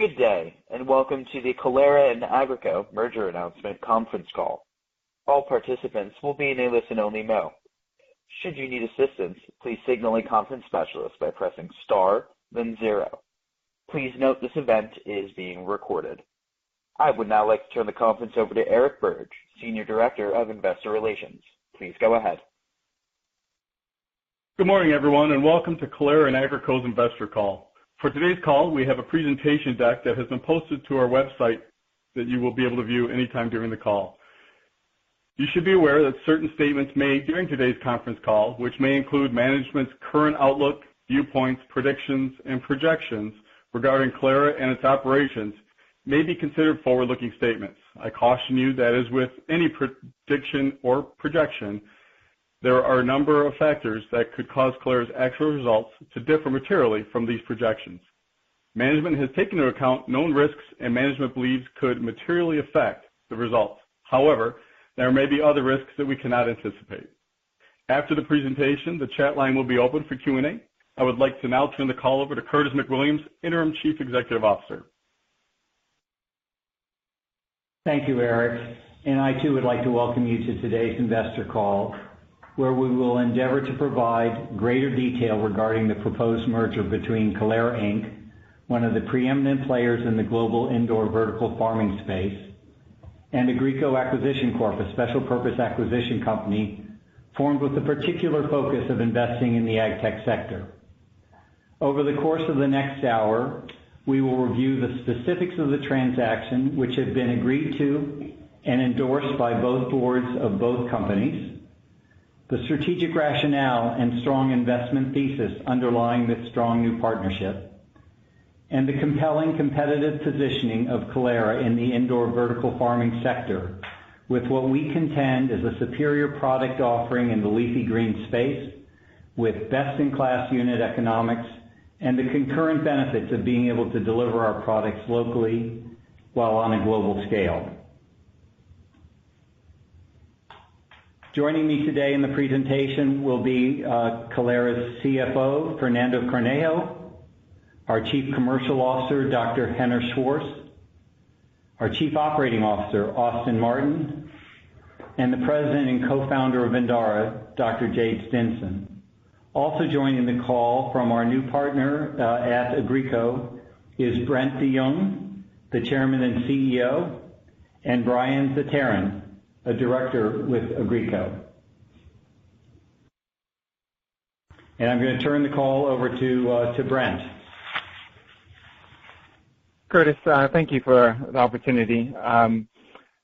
Good day, and welcome to the Kalera and Agrico merger announcement conference call. All participants will be in a listen-only mode. Should you need assistance, please signal a conference specialist by pressing star then zero. Please note this event is being recorded. I would now like to turn the conference over to Eric Birge, Senior Director of Investor Relations. Please go ahead. Good morning, everyone, and welcome to Kalera and Agrico's investor call. For today's call, we have a presentation deck that has been posted to our website that you will be able to view any time during the call. You should be aware that certain statements made during today's conference call, which may include management's current outlook, viewpoints, predictions, and projections regarding Kalera and its operations, may be considered forward-looking statements. I caution you that, as with any prediction or projection, there are a number of factors that could cause Kalera's actual results to differ materially from these projections. Management has taken into account known risks, and risks that management believes could materially affect the results. However, there may be other risks that we cannot anticipate. After the presentation, the chat line will be open for Q&A. I would like to now turn the call over to Curtis McWilliams, Interim CEO. Thank you, Eric. I too would like to welcome you to today's investor call, where we will endeavor to provide greater detail regarding the proposed merger between Kalera Inc., one of the preeminent players in the global indoor vertical farming space, and Agrico Acquisition Corp, a special purpose acquisition company formed with the particular focus of investing in the AgTech sector. Over the course of the next hour, we will review the specifics of the transaction, which have been agreed to and endorsed by both boards of both companies, the strategic rationale and strong investment thesis underlying this strong new partnership, and the compelling competitive positioning of Kalera in the indoor vertical farming sector with what we contend is a superior product offering in the leafy green space with best-in-class unit economics and the concurrent benefits of being able to deliver our products locally while on a global scale. Joining me today in the presentation will be Kalera's CFO, Fernando Cornejo, our CCO, Dr. Henner Schwarz, our COO, Austin Martin, and the President and Co-founder of Vindara, Dr. Jade Stinson. Also joining the call from our new partner at Agrico is Brent de Jong, the Chairman and CEO, and Brian Zatarain, a director with Agrico. I'm gonna turn the call over to Brent. Curtis, thank you for the opportunity.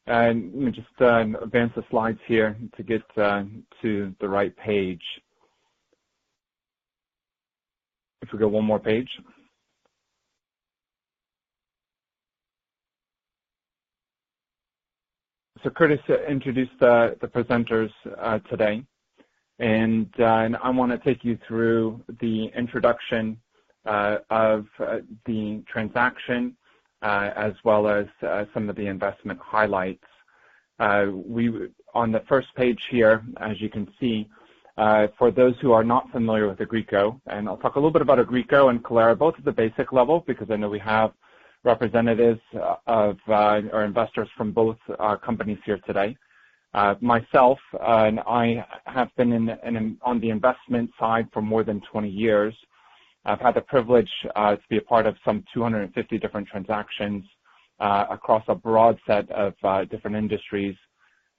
Let me just advance the slides here to get to the right page. If we go one more page. Curtis introduced the presenters today, and I wanna take you through the introduction of the transaction as well as some of the investment highlights. On the first page here, as you can see, for those who are not familiar with Agrico, and I'll talk a little bit about Agrico and Kalera, both at the basic level, because I know we have representatives or investors from both companies here today. Myself and I have been on the investment side for more than 20 years. I've had the privilege to be a part of some 250 different transactions across a broad set of different industries.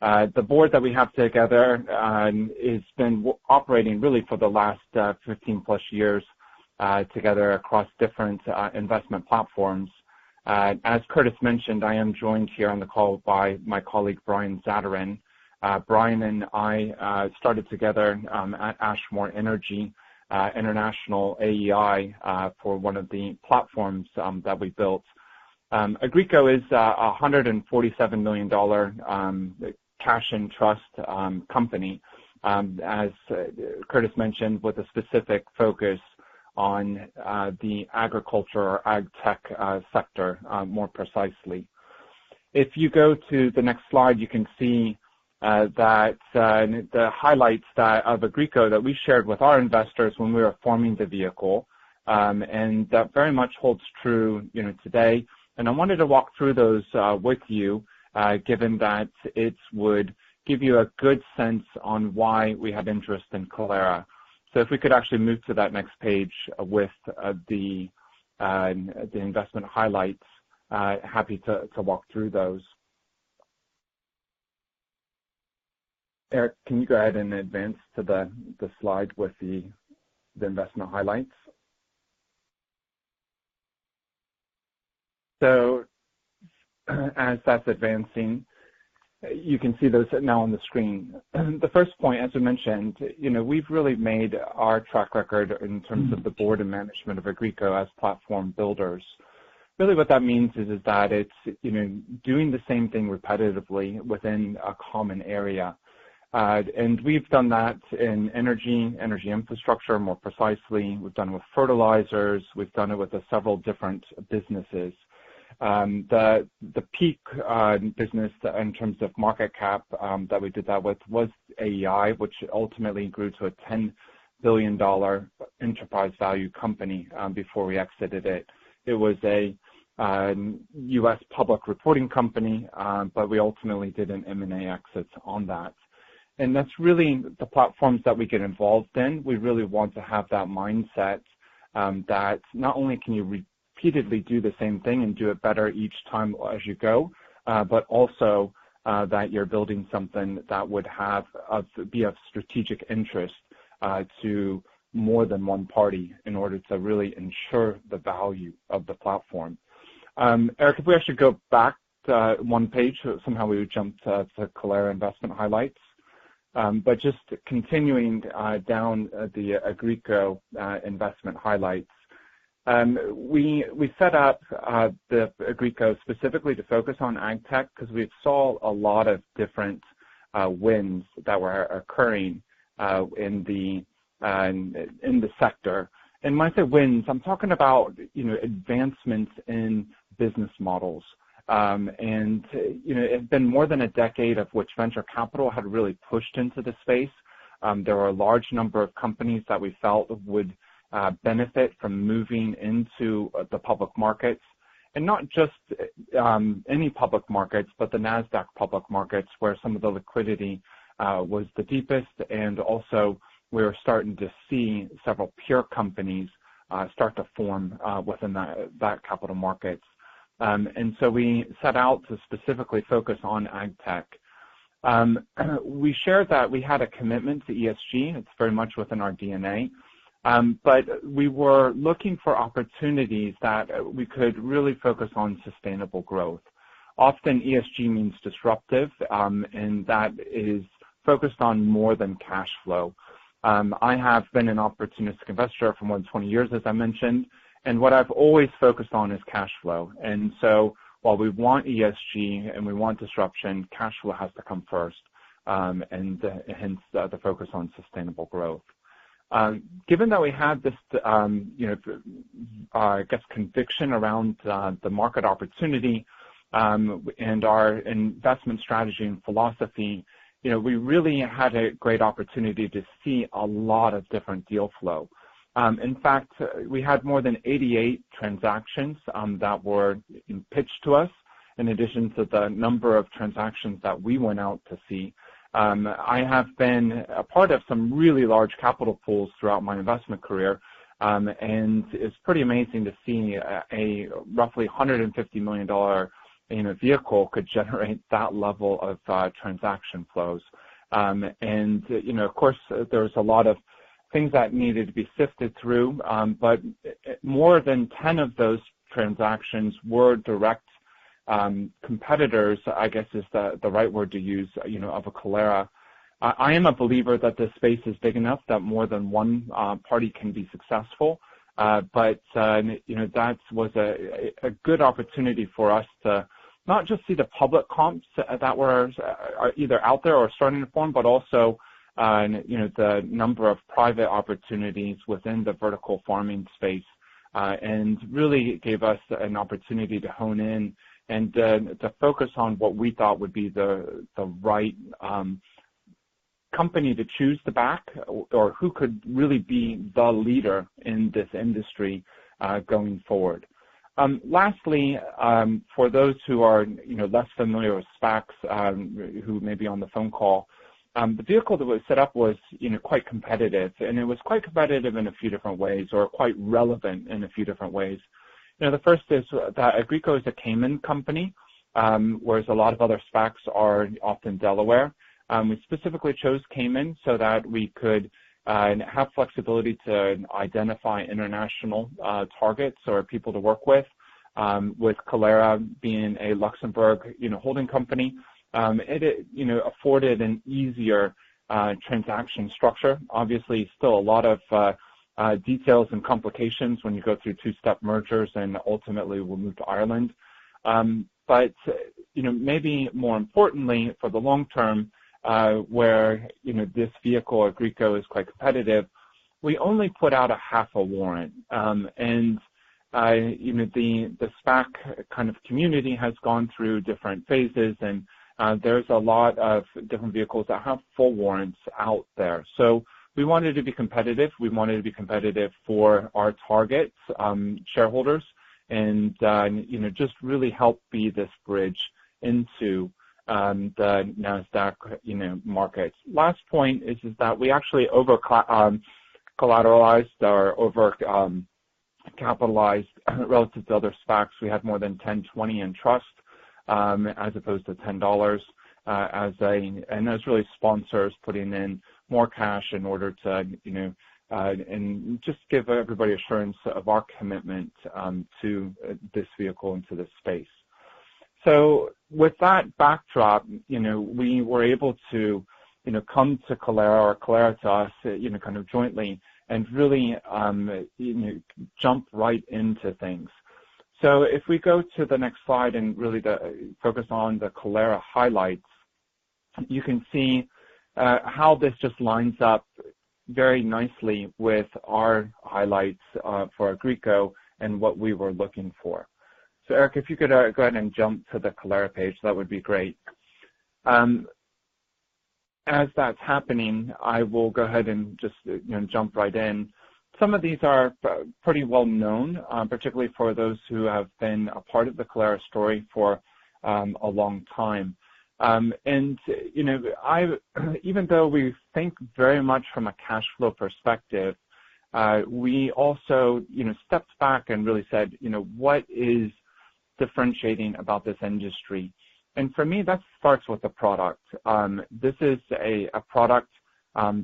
The board that we have together has been operating really for the last 15+ years together across different investment platforms. As Curtis mentioned, I am joined here on the call by my colleague, Brian Zatarain. Brian and I started together at Ashmore Energy International AEI for one of the platforms that we built. Agrico is a $147 million cash in trust company, as Curtis mentioned, with a specific focus on the agriculture or AgTech sector, more precisely. If you go to the next slide, you can see that the highlights of Agrico that we shared with our investors when we were forming the vehicle, and that very much holds true, you know, today. I wanted to walk through those with you, given that it would give you a good sense on why we have interest in Kalera. If we could actually move to that next page with the investment highlights, happy to walk through those. Eric, can you go ahead and advance to the slide with the investment highlights? As that's advancing, you can see those now on the screen. The first point, as I mentioned, you know, we've really made our track record in terms of the board and management of Agrico as platform builders. Really what that means is that it's, you know, doing the same thing repetitively within a common area. We've done that in energy infrastructure, more precisely. We've done with fertilizers. We've done it with several different businesses. The peak business in terms of market cap that we did that with was AEI, which ultimately grew to a $10 billion enterprise value company before we exited it. It was a U.S. public reporting company, but we ultimately did an M&A exit on that. That's really the platforms that we get involved in. We really want to have that mindset, that not only can you repeatedly do the same thing and do it better each time as you go, but also, that you're building something that would be of strategic interest to more than one party in order to really ensure the value of the platform. Eric, if we actually go back one page. Somehow we jumped to Kalera Investment Highlights. Just continuing down the Agrico Investment Highlights. We set up the Agrico specifically to focus on AgTech because we saw a lot of different wins that were occurring in the sector. When I say wins, I'm talking about, you know, advancements in business models. You know, it's been more than a decade of which venture capital had really pushed into the space. There were a large number of companies that we felt would benefit from moving into the public markets. Not just any public markets, but the Nasdaq public markets, where some of the liquidity was the deepest. Also we're starting to see several peer companies start to form within that capital markets. We set out to specifically focus on AgTech. We shared that we had a commitment to ESG. It's very much within our DNA. We were looking for opportunities that we could really focus on sustainable growth. Often ESG means disruptive, and that is focused on more than cash flow. I have been an opportunistic investor for more than 20 years, as I mentioned, and what I've always focused on is cash flow. While we want ESG and we want disruption, cash flow has to come first, and hence the focus on sustainable growth. Given that we had this, you know, I guess conviction around the market opportunity, and our investment strategy and philosophy, you know, we really had a great opportunity to see a lot of different deal flow. In fact, we had more than 88 transactions that were pitched to us in addition to the number of transactions that we went out to see. I have been a part of some really large capital pools throughout my investment career, and it's pretty amazing to see a roughly $150 million vehicle could generate that level of transaction flows. You know, of course, there's a lot of things that needed to be sifted through. More than 10 of those transactions were direct competitors, I guess is the right word to use, you know, of Kalera. I am a believer that this space is big enough that more than one party can be successful. You know, that was a good opportunity for us to not just see the public comps that were either out there or starting to form, but also, you know, the number of private opportunities within the vertical farming space, and really gave us an opportunity to hone in and to focus on what we thought would be the right company to choose to back or who could really be the leader in this industry, going forward. Lastly, for those who are, you know, less familiar with SPACs, who may be on the phone call, the vehicle that was set up was, you know, quite competitive, and it was quite competitive in a few different ways or quite relevant in a few different ways. You know, the first is that Agrico is a Cayman company, whereas a lot of other SPACs are often Delaware. We specifically chose Cayman so that we could have flexibility to identify international targets or people to work with Kalera being a Luxembourg, you know, holding company. It you know, afforded an easier transaction structure. Obviously, still a lot of details and complications when you go through two-step mergers, and ultimately we'll move to Ireland. You know, maybe more importantly for the long term, where you know, this vehicle, Agrico, is quite competitive, we only put out a half a warrant. You know, the SPAC kind of community has gone through different phases and there's a lot of different vehicles that have full warrants out there. We wanted to be competitive. We wanted to be competitive for our targets, shareholders and, you know, just really help be this bridge into the Nasdaq, you know, markets. Last point is that we actually overcollateralized or over capitalized relative to other SPACs. We have more than $10.20 in trust, as opposed to $10, and that's really sponsors putting in more cash in order to, you know, and just give everybody assurance of our commitment to this vehicle and to this space. With that backdrop, you know, we were able to, you know, come to Kalera or Kalera to us, you know, kind of jointly and really, you know, jump right into things. If we go to the next slide and focus on the Kalera highlights. You can see how this just lines up very nicely with our highlights for Agrico and what we were looking for. Eric, if you could go ahead and jump to the Kalera page, that would be great. As that's happening, I will go ahead and just, you know, jump right in. Some of these are pretty well known, particularly for those who have been a part of the Kalera story for a long time. Even though we think very much from a cash flow perspective, we also, you know, stepped back and really said, you know, "What is differentiating about this industry?" For me, that starts with the product. This is a product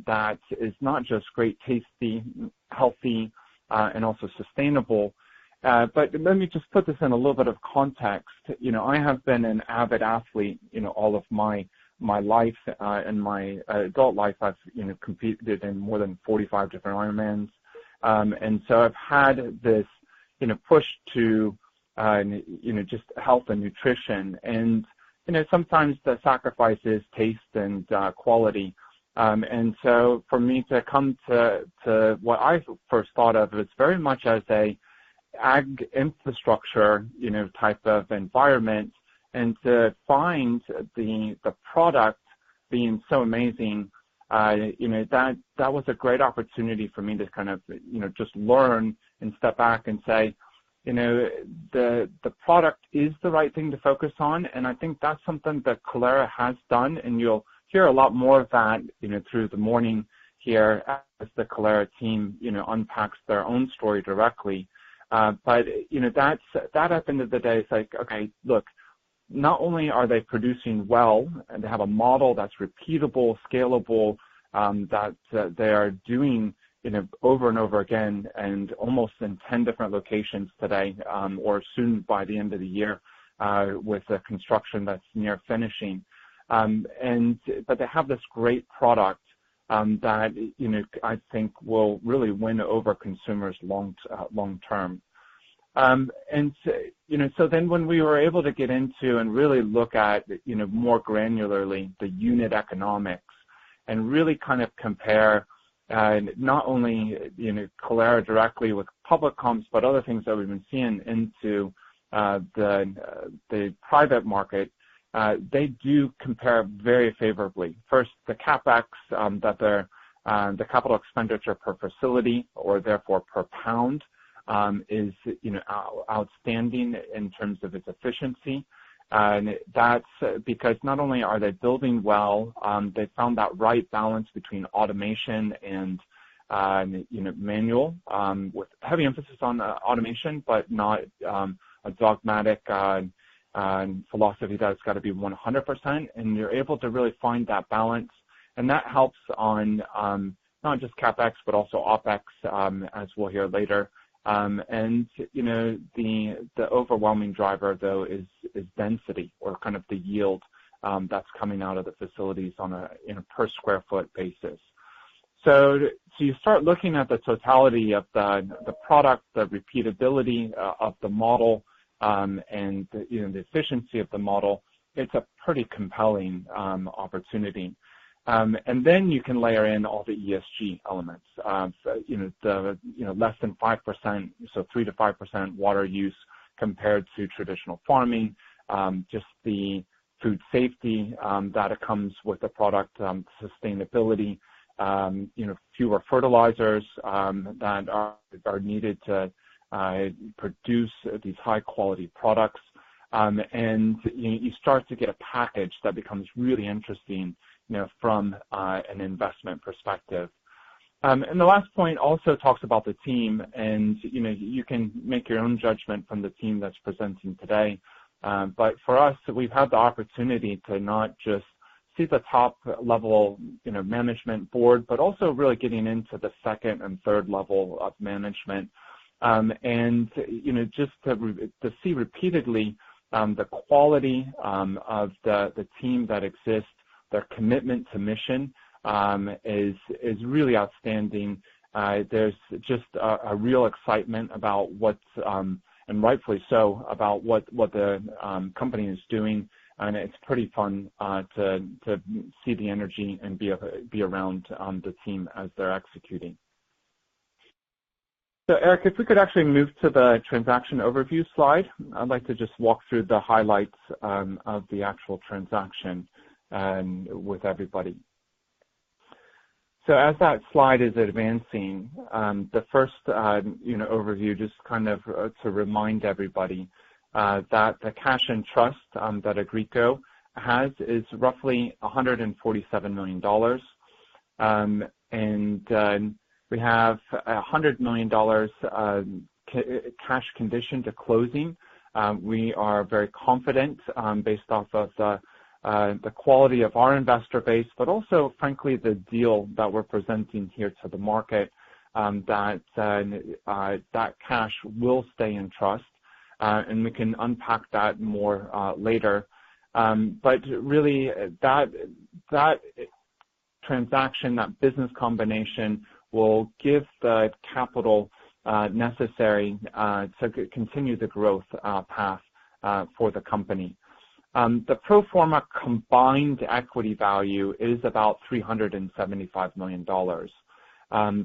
that is not just great tasting, healthy, and also sustainable. Let me just put this in a little bit of context. You know, I have been an avid athlete, you know, all of my life. In my adult life, I've, you know, competed in more than 45 different Ironmans. I've had this, you know, push to, you know, just health and nutrition and, you know, sometimes the sacrifices, taste and quality. For me to come to what I first thought of as very much as a Ag infrastructure, you know, type of environment, and to find the product being so amazing, you know, that was a great opportunity for me to kind of, you know, just learn and step back and say, you know, the product is the right thing to focus on. I think that's something that Kalera has done. You'll hear a lot more of that, you know, through the morning here as the Kalera team, you know, unpacks their own story directly. You know, that's at the end of the day like, okay, look, not only are they producing well and they have a model that's repeatable, scalable, that they are doing, you know, over and over again and almost in 10 different locations today, or soon by the end of the year, with the construction that's near finishing. They have this great product that, you know, I think will really win over consumers long term. You know, then when we were able to get into and really look at, you know, more granularly the unit economics and really kind of compare, not only, you know, Kalera directly with public comps, but other things that we've been seeing in the private market, they do compare very favorably. First, the CapEx that they're the capital expenditure per facility or therefore per pound is, you know, outstanding in terms of its efficiency. That's because not only are they building well, they found that right balance between automation and, you know, manual, with heavy emphasis on automation, but not a dogmatic philosophy that it's gotta be 100%. You're able to really find that balance. That helps on not just CapEx, but also OpEx, as we'll hear later. You know, the overwhelming driver, though, is density or kind of the yield that's coming out of the facilities on a per square foot basis. You start looking at the totality of the product, the repeatability of the model, and, you know, the efficiency of the model. It's a pretty compelling opportunity. And then you can layer in all the ESG elements. You know, less than five percent, so three percent-five percent water use compared to traditional farming. Just the food safety that comes with the product, sustainability, you know, fewer fertilizers that are needed to produce these high-quality products. And you start to get a package that becomes really interesting, you know, from an investment perspective. And the last point also talks about the team and, you know, you can make your own judgment from the team that's presenting today. For us, we've had the opportunity to not just see the top-level, you know, management board, but also really getting into the second and third level of management. You know, just to see repeatedly the quality of the team that exists, their commitment to mission is really outstanding. There's just a real excitement about what's, and rightfully so, about what the company is doing. It's pretty fun to see the energy and be around the team as they're executing. Eric, if we could actually move to the transaction overview slide. I'd like to just walk through the highlights of the actual transaction with everybody. As that slide is advancing, the first, you know, overview, just kind of, to remind everybody, that the cash in trust that Agrico has is roughly $147 million. We have $100 million cash conditioned to closing. We are very confident, based off of the quality of our investor base, but also frankly the deal that we're presenting here to the market, that cash will stay in trust. We can unpack that more later. Really that transaction, that business combination will give the capital necessary to continue the growth path for the company. The pro forma combined equity value is about $375 million.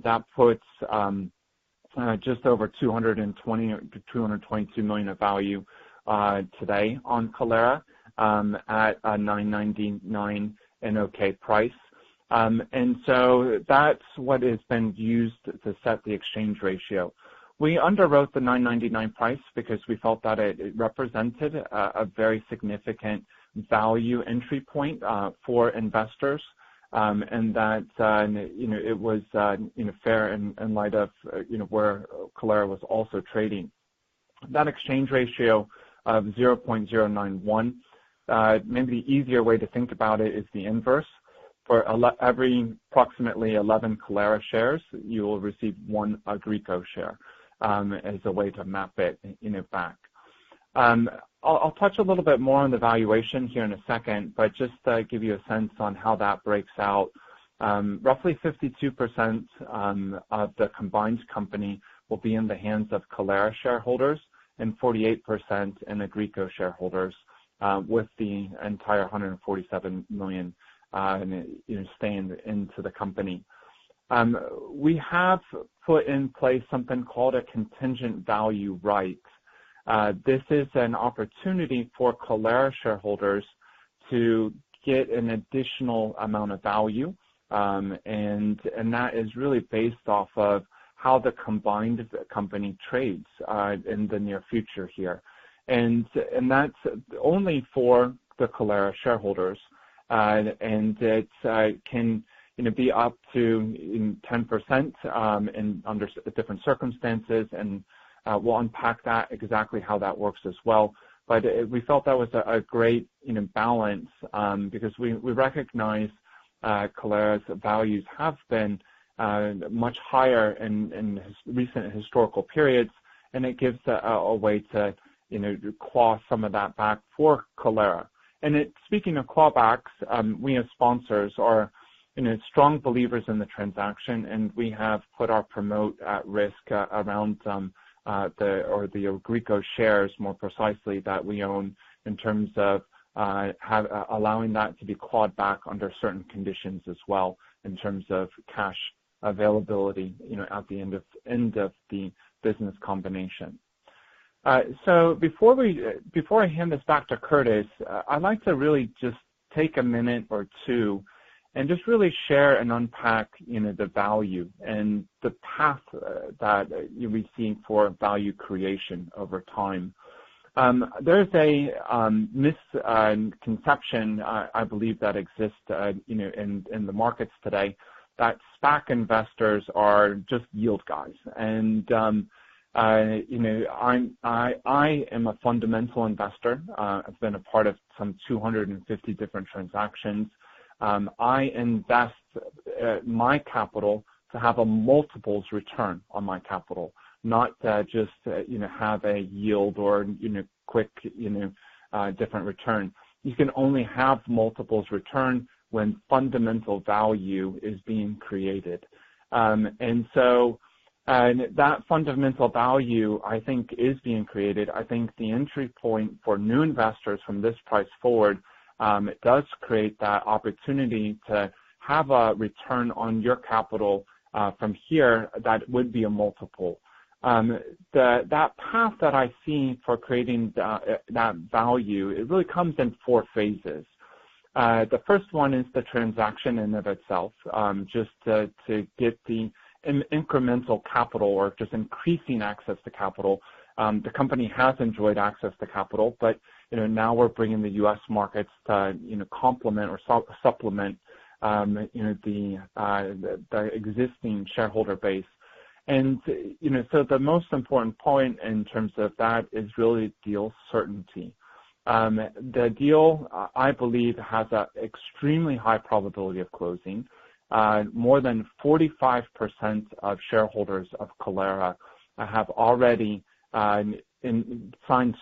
That puts just over 220 or 222 million of value today on Kalera at a 9.99 NOK price. That's what has been used to set the exchange ratio. We underwrote the 9.99 price because we felt that it represented a very significant value entry point for investors, and that you know, it was you know, fair in light of you know, where Kalera was also trading. That exchange ratio of 0.091, maybe the easier way to think about it is the inverse. For every approximately 11 Kalera shares, you'll receive one Agrico share as a way to map it you know, back. I'll touch a little bit more on the valuation here in a second, but just to give you a sense on how that breaks out, roughly 52% of the combined company will be in the hands of Kalera shareholders and 48% in Agrico shareholders, with the entire $147 million, you know, staying into the company. We have put in place something called a contingent value right. This is an opportunity for Kalera shareholders to get an additional amount of value, and that is really based off of how the combined company trades, in the near future here. That's only for the Kalera shareholders, and it can, you know, be up to 10% in under different circumstances and, we'll unpack that exactly how that works as well. We felt that was a great, you know, balance, because we recognize Kalera's values have been much higher in recent historical periods, and it gives a way to, you know, claw some of that back for Kalera. It, speaking of clawbacks, we as sponsors are, you know, strong believers in the transaction, and we have put our promote at risk around the or the Agrico shares more precisely that we own in terms of allowing that to be clawed back under certain conditions as well in terms of cash availability, you know, at the end of the business combination. Before I hand this back to Curtis, I'd like to really just take a minute or two and just really share and unpack, you know, the value and the path that you'll be seeing for value creation over time. There's a misconception I believe that exists, you know, in the markets today, that SPAC investors are just yield guys. I am a fundamental investor. I've been a part of some 250 different transactions. I invest my capital to have a multiples return on my capital, not just, you know, have a yield or, you know, quick, you know, different return. You can only have multiples return when fundamental value is being created. That fundamental value I think is being created. I think the entry point for new investors from this price forward, it does create that opportunity to have a return on your capital from here that would be a multiple. That path that I see for creating that value, it really comes in four phases. The first one is the transaction in and of itself, just to get the incremental capital or just increasing access to capital. The company has enjoyed access to capital but, you know, now we're bringing the U.S. markets to, you know, complement or supplement, you know, the existing shareholder base. You know, the most important point in terms of that is really deal certainty. The deal I believe has an extremely high probability of closing. More than 45% of shareholders of Kalera have already signed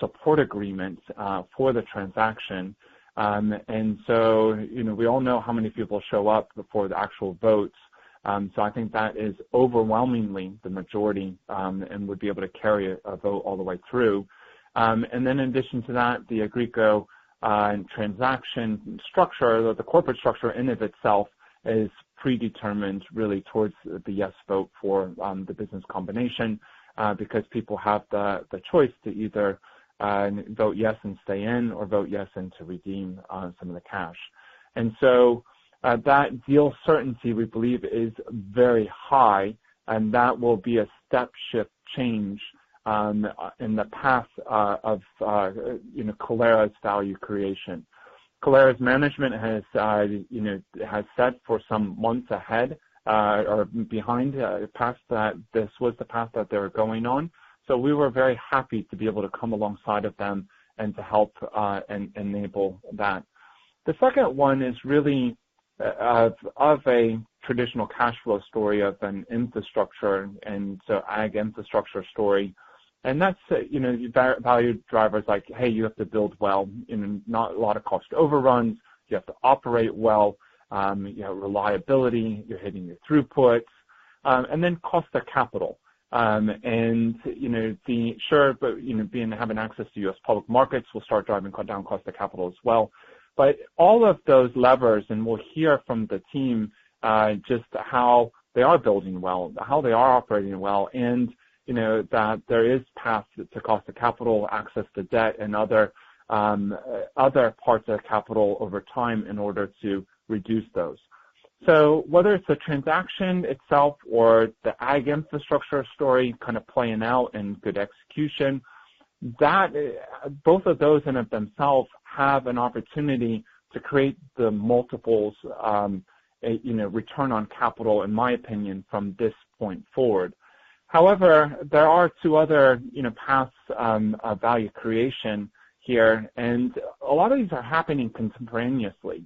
support agreements for the transaction. You know, we all know how many people show up before the actual votes. I think that is overwhelmingly the majority and would be able to carry a vote all the way through. In addition to that, the Agrico and transaction structure, the corporate structure in and of itself is predetermined really towards the yes vote for the business combination because people have the choice to either vote yes and stay in or vote yes and to redeem some of the cash. That deal certainty we believe is very high, and that will be a step change in the path of you know Kalera's value creation. Kalera's management has set for some months ahead or behind a path that this was the path that they were going on. We were very happy to be able to come alongside of them and to help enable that. The second one is really of a traditional cash flow story of an infrastructure and ag infrastructure story. That's value drivers like hey you have to build well in not a lot of cost overruns. You have to operate well reliability you're hitting your throughput and then cost of capital. Sure, you know, having access to U.S. public markets will start driving down cost of capital as well. All of those levers, and we'll hear from the team, just how they are building well, how they are operating well and, you know, that there is paths to cost of capital, access to debt and other parts of capital over time in order to reduce those. Whether it's the transaction itself or the ag infrastructure story kind of playing out in good execution, both of those in and of themselves have an opportunity to create the multiples, you know, return on capital, in my opinion, from this point forward. However, there are two other, you know, paths, value creation here, and a lot of these are happening contemporaneously.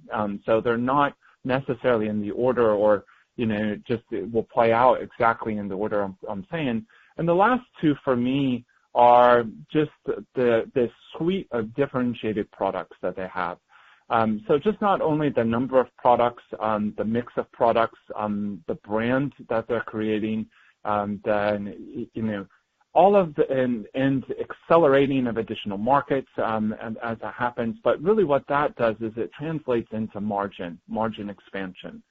They're not necessarily in the order or, you know, just will play out exactly in the order I'm saying. The last two for me are just the suite of differentiated products that they have. Just not only the number of products, the mix of products, the brand that they're creating, then you know all of the and accelerating of additional markets, as it happens. Really what that does is it translates into margin expansion,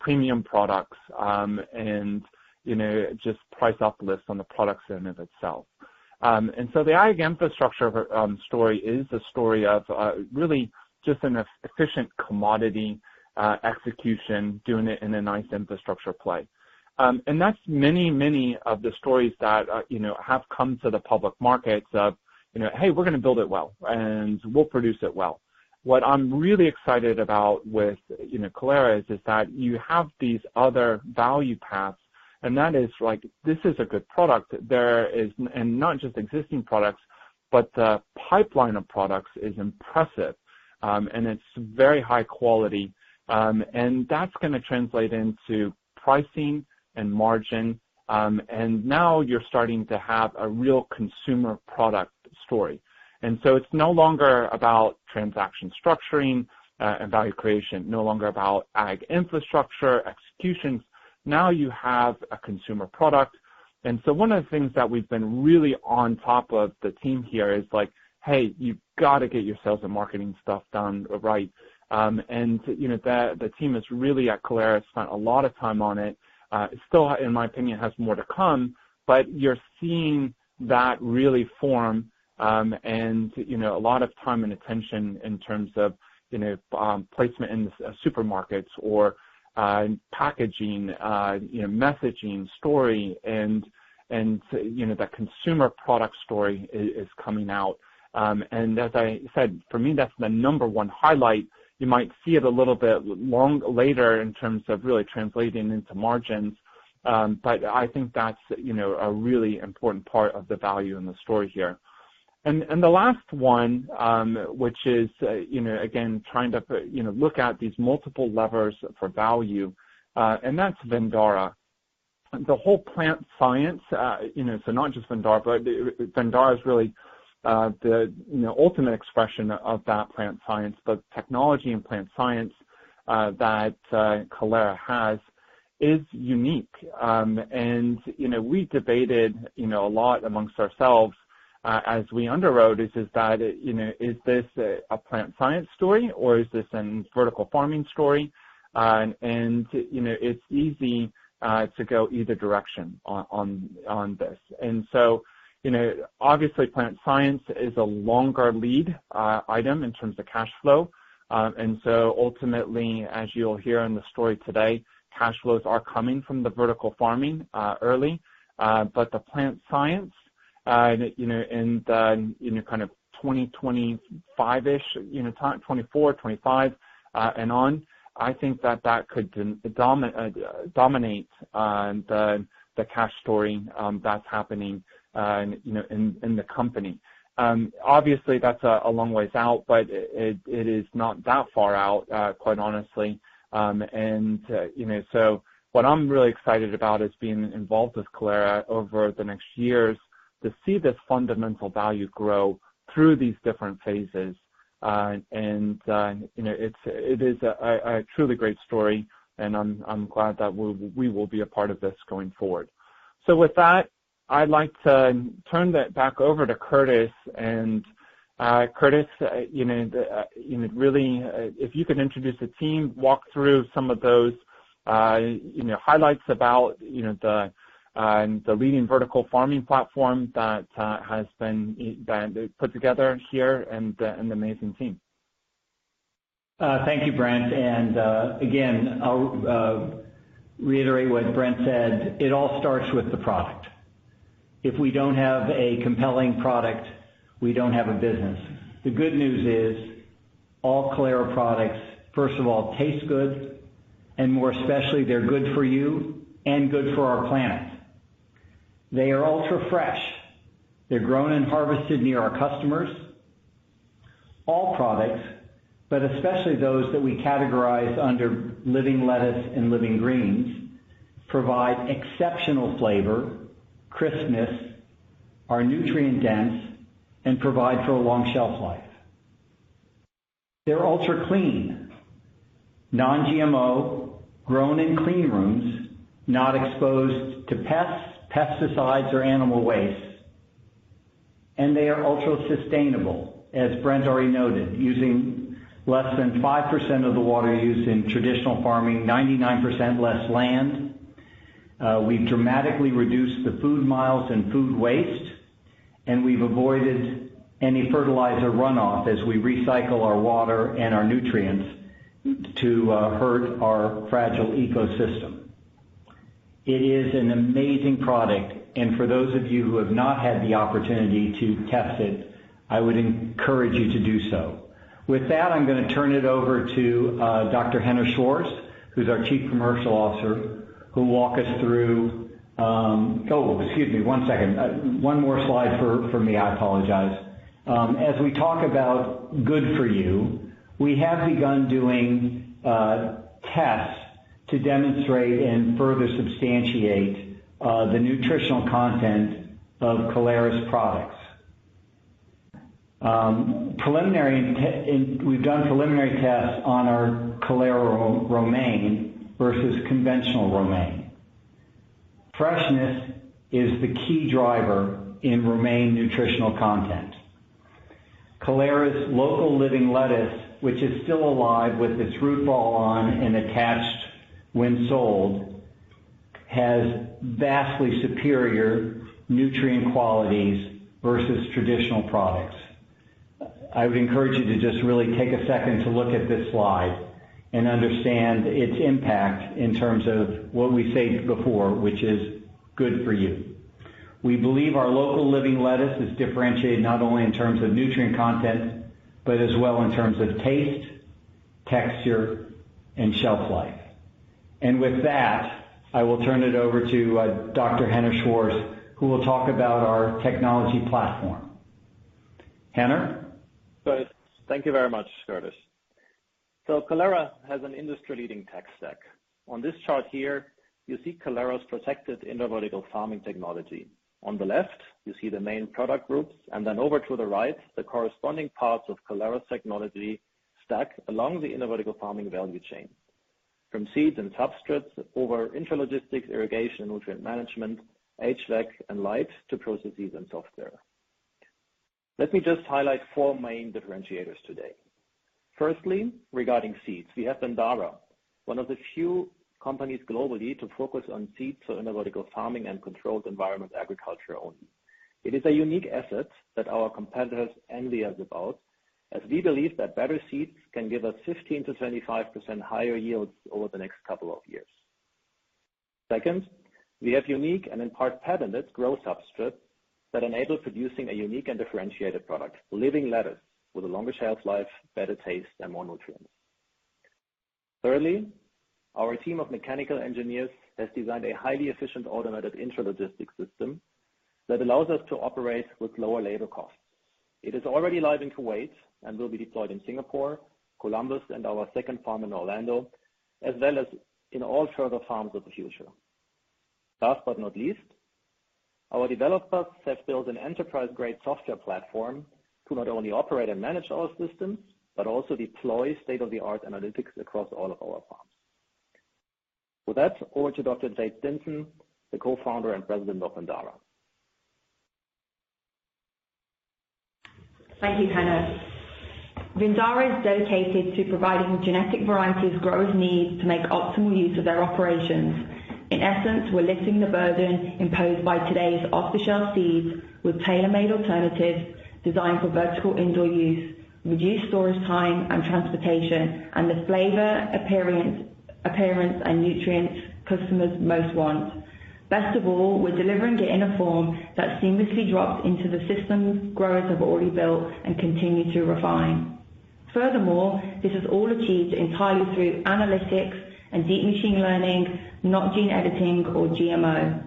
premium products, and you know just price uplifts on the products in and of itself. The ag infrastructure story is a story of really just an efficient commodity execution, doing it in a nice infrastructure play. That's many, many of the stories that, you know, have come to the public markets of, you know, "Hey, we're gonna build it well, and we'll produce it well." What I'm really excited about with, you know, Kalera is that you have these other value paths, and that is like this is a good product, not just existing products, but the pipeline of products is impressive, and it's very high quality. That's gonna translate into pricing and margin. Now you're starting to have a real consumer product story. It's no longer about transaction structuring and value creation, no longer about ag infrastructure executions. Now you have a consumer product. One of the things that we've been really on top of the team here is like, hey, you've got to get your sales and marketing stuff done right. You know, the team at Kalera spent a lot of time on it. Still, in my opinion, it has more to come, but you're seeing that really form, and, you know, a lot of time and attention in terms of, you know, placement in the supermarkets or, packaging, you know, messaging story and, you know, the consumer product story is coming out. And as I said, for me, that's the number one highlight. You might see it a little bit long later in terms of really translating into margins. But I think that's, you know, a really important part of the value in the story here. The last one, which is, you know, again, trying to, you know, look at these multiple levers for value, and that's Vindara. The whole plant science, you know, so not just Vindara, but Vindara is really the, you know, ultimate expression of that plant science. But technology and plant science that Kalera has is unique. You know, we debated, you know, a lot amongst ourselves, as we underwrote, is that, you know, is this a plant science story or is this a vertical farming story? You know, it's easy to go either direction on this. You know, obviously plant science is a longer lead item in terms of cash flow. Ultimately, as you'll hear in the story today, cash flows are coming from the vertical farming early. But the plant science, you know, in kind of 2025-ish time, 2024, 2025, and on, I think that could dominate the cash story that's happening, you know, in the company. Obviously that's a long ways out, but it is not that far out, quite honestly. What I'm really excited about is being involved with Kalera over the next years to see this fundamental value grow through these different phases. It is a truly great story and I'm glad that we will be a part of this going forward. With that, I'd like to turn that back over to Curtis. Curtis, you know, really, if you could introduce the team, walk through some of those, you know, highlights about, you know, the leading vertical farming platform that has been put together here and the amazing team. Thank you, Brent. Again, I'll reiterate what Brent said. It all starts with the product. If we don't have a compelling product, we don't have a business. The good news is all Kalera products, first of all, taste good and more especially, they're good for you and good for our planet. They are ultra fresh. They're grown and harvested near our customers. All products, but especially those that we categorize under Living Lettuce and Living Greens, provide exceptional flavor, crispness, are nutrient-dense, and provide for a long shelf life. They're ultra-clean, non-GMO, grown in clean rooms, not exposed to pests, pesticides or animal waste. They are ultra-sustainable, as Brent already noted, using less than 5% of the water used in traditional farming, 99% less land. We've dramatically reduced the food miles and food waste, and we've avoided any fertilizer runoff as we recycle our water and our nutrients to not hurt our fragile ecosystem. It is an amazing product, and for those of you who have not had the opportunity to test it, I would encourage you to do so. With that, I'm gonna turn it over to Dr. Henner Schwarz, who's our CCO, who'll walk us through. Excuse me one second. One more slide for me. I apologize. As we talk about good for you, we have begun doing tests to demonstrate and further substantiate the nutritional content of Kalera's products. We've done preliminary tests on our Kalera romaine versus conventional romaine. Freshness is the key driver in romaine nutritional content. Kalera's local Living Lettuce, which is still alive with its root ball on and attached when sold, has vastly superior nutrient qualities versus traditional products. I would encourage you to just really take a second to look at this slide and understand its impact in terms of what we said before, which is good for you. We believe our local Living Lettuce is differentiated not only in terms of nutrient content, but as well in terms of taste, texture, and shelf life. With that, I will turn it over to Dr. Henner Schwarz, who will talk about our technology platform. Henner? Thank you very much, Curtis. Kalera has an industry-leading tech stack. On this chart here, you see Kalera's protected IP in the vertical farming technology. On the left, you see the main product groups, and then over to the right, the corresponding parts of Kalera's technology stack along the indoor vertical farming value chain, from seeds and substrates over intralogistics, irrigation, nutrient management, HVAC and lights to processes and software. Let me just highlight four main differentiators today. Firstly, regarding seeds. We have Vindara, one of the few companies globally to focus on seeds for indoor vertical farming and controlled environment agriculture only. It is a unique asset that our competitors envy us about, as we believe that better seeds can give us 15%-25% higher yields over the next couple of years. Second, we have unique and in part patented growth substrate that enable producing a unique and differentiated product, Living Lettuce with a longer shelf life, better taste and more nutrients. Thirdly, our team of mechanical engineers has designed a highly efficient automated intralogistics system that allows us to operate with lower labor costs. It is already live in Kuwait and will be deployed in Singapore, Columbus and our second farm in Orlando, as well as in all further farms of the future. Last but not least, our developers have built an enterprise-grade software platform to not only operate and manage our systems, but also deploy state-of-the-art analytics across all of our farms. With that, over to Dr. Jade Stinson, the Co-founder and President of Vindara. Thank you, Henner. Vindara is dedicated to providing genetic varieties growers need to make optimal use of their operations. In essence, we're lifting the burden imposed by today's off-the-shelf seeds with tailormade alternatives designed for vertical indoor use, reduced storage time and transportation, and the flavor, appearance and nutrients customers most want. Best of all, we're delivering it in a form that seamlessly drops into the systems growers have already built and continue to refine. Furthermore, this is all achieved entirely through analytics and deep machine learning, not gene editing or GMO.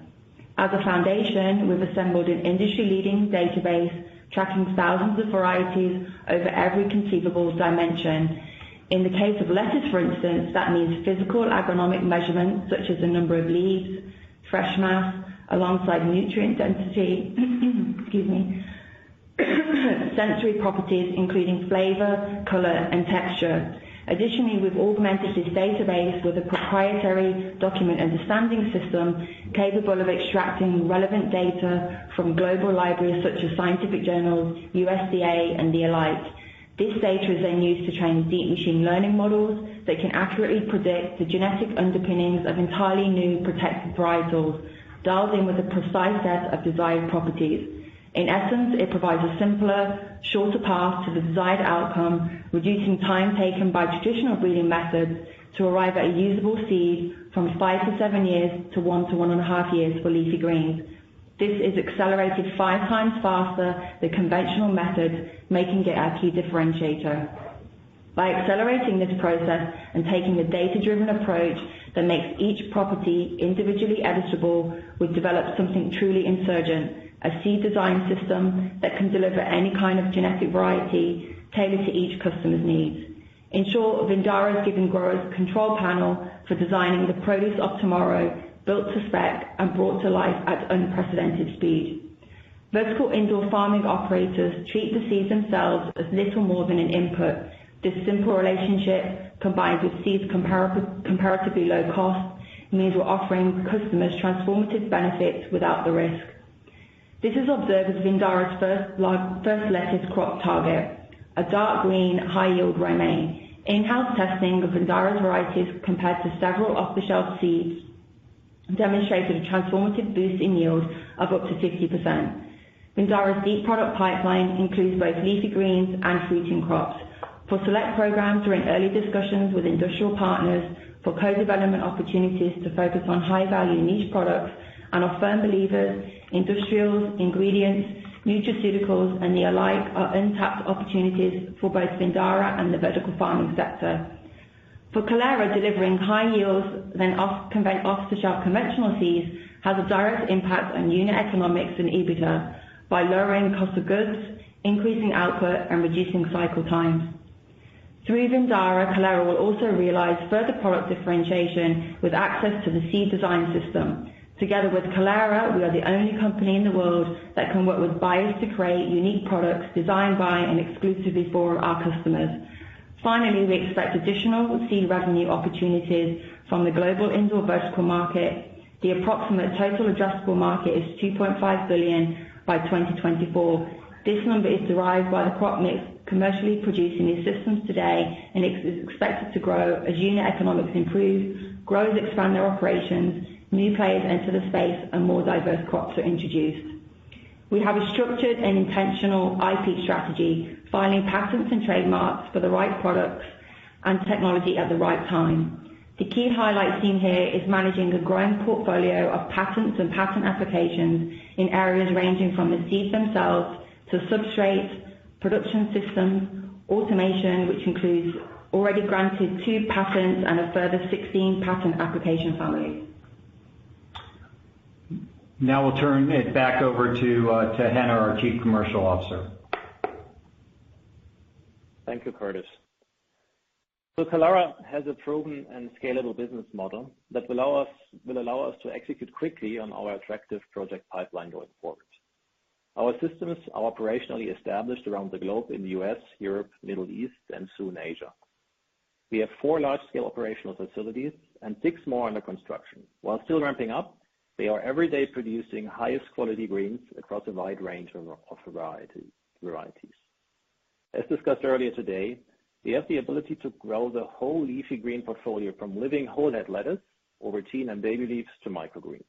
As a foundation, we've assembled an industry-leading database tracking thousands of varieties over every conceivable dimension. In the case of lettuce, for instance, that means physical agronomic measurements such as the number of leaves, fresh mass, alongside nutrient density, excuse me, sensory properties including flavor, color and texture. Additionally, we've augmented this database with a proprietary document understanding system capable of extracting relevant data from global libraries such as scientific journals, USDA and the like. This data is then used to train deep machine learning models that can accurately predict the genetic underpinnings of entirely new protected varietals, dialed in with a precise set of desired properties. In essence, it provides a simpler, shorter path to the desired outcome, reducing time taken by traditional breeding methods to arrive at a usable seed from five-seven years to one-one and a half years for leafy greens. This is accelerated 5× faster than conventional methods, making it our key differentiator. By accelerating this process and taking the data-driven approach that makes each property individually editable, we've developed something truly insurgent, a seed design system that can deliver any kind of genetic variety tailored to each customer's needs. In short, Vindara's given growers a control panel for designing the produce of tomorrow, built to spec and brought to life at unprecedented speed. Vertical indoor farming operators treat the seeds themselves as little more than an input. This simple relationship, combined with seeds' comparatively low cost, means we're offering customers transformative benefits without the risk. This is observed as Vindara's first lettuce crop target, a dark green, high-yield romaine. In-house testing of Vindara's varieties compared to several off-the-shelf seeds demonstrated a transformative boost in yield of up to 60%. Vindara's deep product pipeline includes both leafy greens and fruiting crops. For select programs, we're in early discussions with industrial partners for co-development opportunities to focus on high-value niche products, and are firm believers industrials, ingredients, nutraceuticals and the like are untapped opportunities for both Vindara and the vertical farming sector. For Kalera, delivering higher yields than off-the-shelf conventional seeds has a direct impact on unit economics and EBITDA by lowering cost of goods, increasing output, and reducing cycle times. Through Vindara, Kalera will also realize further product differentiation with access to the seed design system. Together with Kalera, we are the only company in the world that can work with buyers to create unique products designed by and exclusively for our customers. Finally, we expect additional seed revenue opportunities from the global indoor vertical market. The approximate total addressable market is 2.5 billion by 2024. This number is derived by the crop mix commercially produced in these systems today, and is expected to grow as unit economics improve, growers expand their operations, new players enter the space, and more diverse crops are introduced. We have a structured and intentional IP strategy, filing patents and trademarks for the right products and technology at the right time. The key highlight seen here is managing a growing portfolio of patents and patent applications in areas ranging from the seeds themselves to substrates, production systems, automation, which includes already granted two patents and a further 16 patent application families. Now we'll turn it back over to Henner, our CCO. Thank you, Curtis. Kalera has a proven and scalable business model that will allow us to execute quickly on our attractive project pipeline going forward. Our systems are operationally established around the globe in the U.S., Europe, Middle East, and soon Asia. We have four large-scale operational facilities and six more under construction. While still ramping up, they are every day producing highest quality greens across a wide range of varieties. As discussed earlier today, we have the ability to grow the whole leafy green portfolio from living whole head lettuce over teen and baby leaves to microgreens.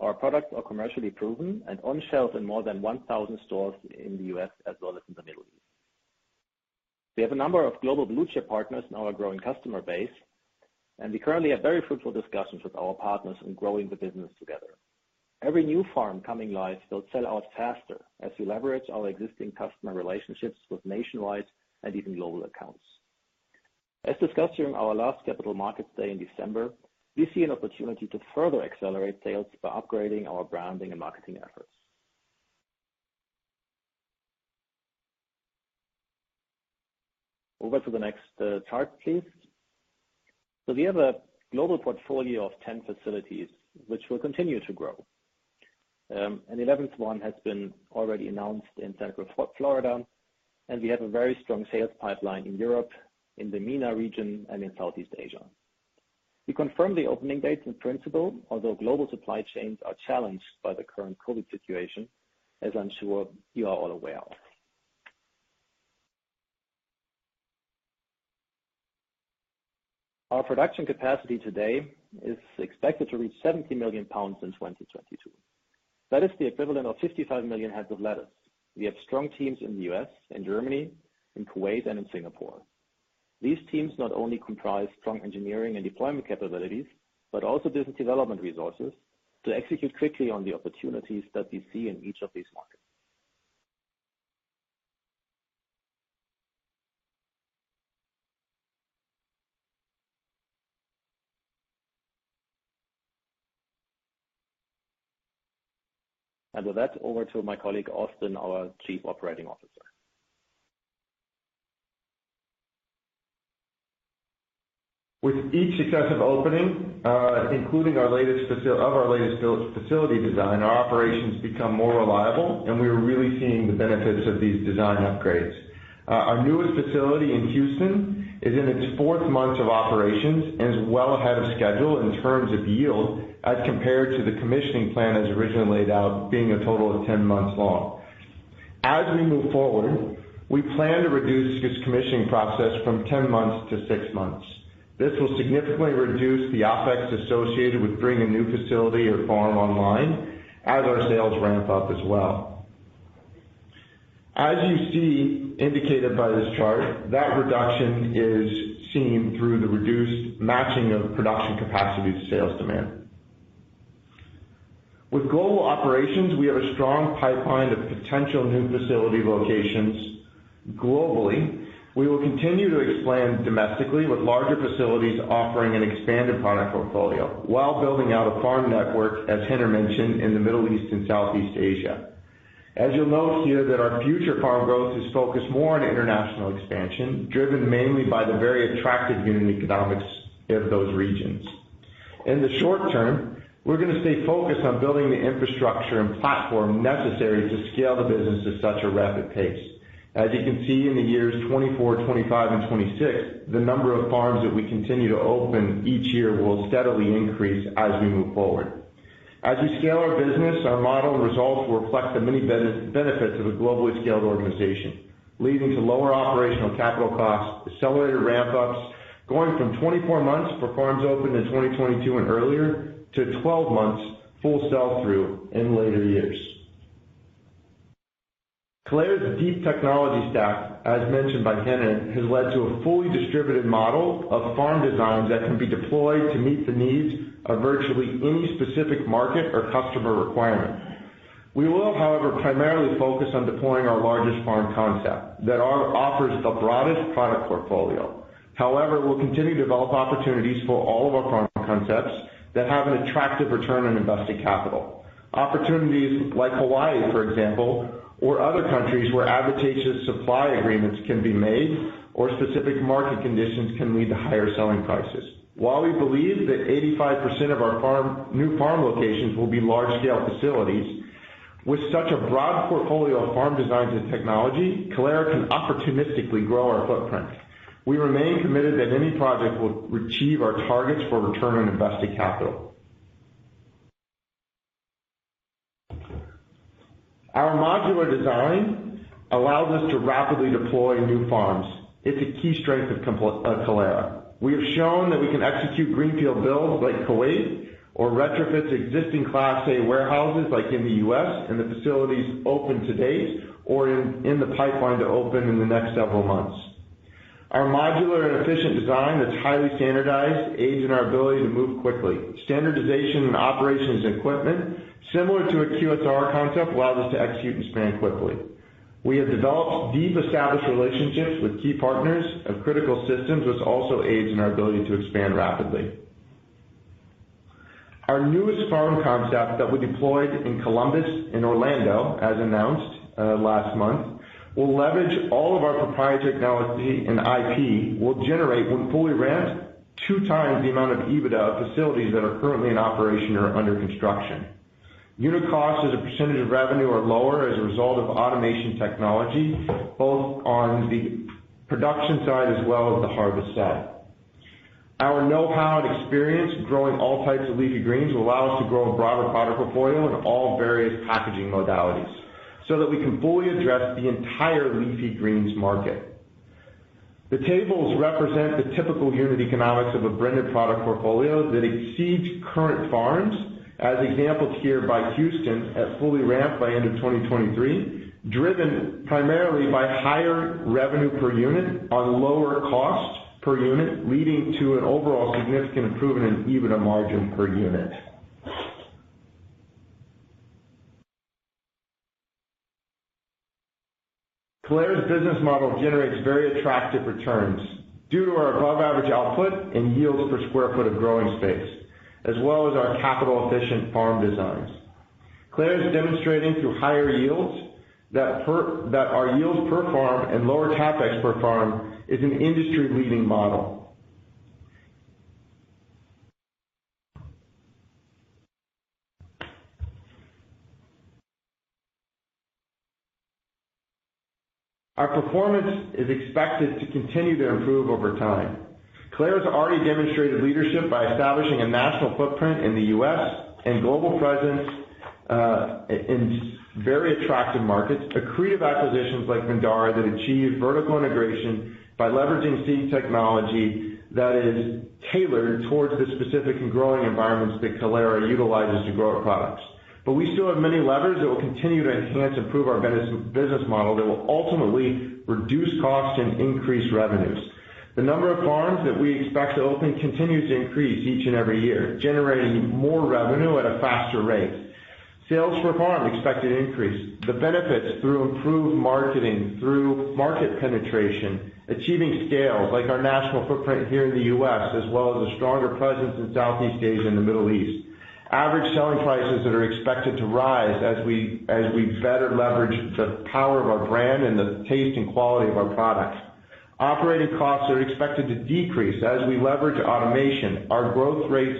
Our products are commercially proven and on shelves in more than 1,000 stores in the U.S. as well as in the Middle East. We have a number of global blue chip partners in our growing customer base, and we currently have very fruitful discussions with our partners in growing the business together. Every new farm coming live will sell out faster as we leverage our existing customer relationships with nationwide and even global accounts. As discussed during our last Capital Markets Day in December, we see an opportunity to further accelerate sales by upgrading our branding and marketing efforts. Over to the next chart, please. We have a global portfolio of 10 facilities which will continue to grow. An 11th one has been already announced in Central Florida, and we have a very strong sales pipeline in Europe, in the MENA region, and in Southeast Asia. We confirm the opening dates in principle, although global supply chains are challenged by the current COVID situation, as I'm sure you are all aware of. Our production capacity today is expected to reach 70 million pounds in 2022. That is the equivalent of 55 million heads of lettuce. We have strong teams in the U.S., in Germany, in Kuwait, and in Singapore. These teams not only comprise strong engineering and deployment capabilities, but also business development resources to execute quickly on the opportunities that we see in each of these markets. With that, over to my colleague, Austin Martin, our COO. With each successive opening, including our latest facility design, our operations become more reliable, and we are really seeing the benefits of these design upgrades. Our newest facility in Houston is in its fourth month of operations and is well ahead of schedule in terms of yield as compared to the commissioning plan as originally laid out, being a total of 10 months long. As we move forward, we plan to reduce this commissioning process from 10 months to six months. This will significantly reduce the OpEx associated with bringing a new facility or farm online as our sales ramp up as well. As you see indicated by this chart, that reduction is seen through the reduced matching of production capacity to sales demand. With global operations, we have a strong pipeline of potential new facility locations globally. We will continue to expand domestically with larger facilities offering an expanded product portfolio while building out a farm network, as Henner mentioned, in the Middle East and Southeast Asia. As you'll note here that our future farm growth is focused more on international expansion, driven mainly by the very attractive unit economics of those regions. In the short term, we're gonna stay focused on building the infrastructure and platform necessary to scale the business at such a rapid pace. As you can see in the years 2024, 2025, and 2026, the number of farms that we continue to open each year will steadily increase as we move forward. As we scale our business, our model and results will reflect the many benefits of a globally scaled organization, leading to lower operational capital costs, accelerated ramp-ups, going from 24 months for farms opened in 2022 and earlier to 12 months full sell-through in later years. Kalera's deep technology stack, as mentioned by Henner, has led to a fully distributed model of farm designs that can be deployed to meet the needs of virtually any specific market or customer requirements. We will, however, primarily focus on deploying our largest farm concept that offers the broadest product portfolio. However, we'll continue to develop opportunities for all of our farm concepts that have an attractive return on invested capital. Opportunities like Hawaii, for example, or other countries where advantageous supply agreements can be made or specific market conditions can lead to higher selling prices. While we believe that 85% of our new farm locations will be large scale facilities, with such a broad portfolio of farm designs and technology, Kalera can opportunistically grow our footprint. We remain committed that any project will achieve our targets for return on invested capital. Our modular design allows us to rapidly deploy new farms. It's a key strength of Kalera. We have shown that we can execute greenfield builds like Kuwait or retrofits existing Class A warehouses like in the U.S. and the facilities open to date or in the pipeline to open in the next several months. Our modular and efficient design that's highly standardized aids in our ability to move quickly. Standardization in operations and equipment similar to a QSR concept allows us to execute and scale quickly. We have developed deep established relationships with key partners of critical systems, which also aids in our ability to expand rapidly. Our newest farm concept that we deployed in Columbus and Orlando, as announced, last month, will leverage all of our proprietary technology and IP, will generate when fully ramped, 2× the amount of EBITDA of facilities that are currently in operation or under construction. Unit costs as a percentage of revenue are lower as a result of automation technology, both on the production side as well as the harvest side. Our know-how and experience growing all types of leafy greens will allow us to grow a broader product portfolio in all various packaging modalities so that we can fully address the entire leafy greens market. The tables represent the typical unit economics of a branded product portfolio that exceeds current farms, as exampled here by Houston at fully ramped by end of 2023, driven primarily by higher revenue per unit and lower cost per unit, leading to an overall significant improvement in EBITDA margin per unit. Kalera's business model generates very attractive returns due to our above average output and yields per square foot of growing space, as well as our capital efficient farm designs. Kalera is demonstrating through higher yields that our yields per farm and lower CapEx per farm is an industry-leading model. Our performance is expected to continue to improve over time. Kalera has already demonstrated leadership by establishing a national footprint in the U.S. and global presence in very attractive markets, accretive acquisitions like Vindara that achieve vertical integration by leveraging seed technology that is tailored towards the specific and growing environments that Kalera utilizes to grow our products. We still have many levers that will continue to enhance and improve our business model that will ultimately reduce costs and increase revenues. The number of farms that we expect to open continues to increase each and every year, generating more revenue at a faster rate. Sales per farm expected to increase. The benefits through improved marketing, through market penetration, achieving scale like our national footprint here in the U.S. as well as a stronger presence in Southeast Asia and the Middle East. Average selling prices that are expected to rise as we better leverage the power of our brand and the taste and quality of our products. Operating costs are expected to decrease as we leverage automation. Our growth rates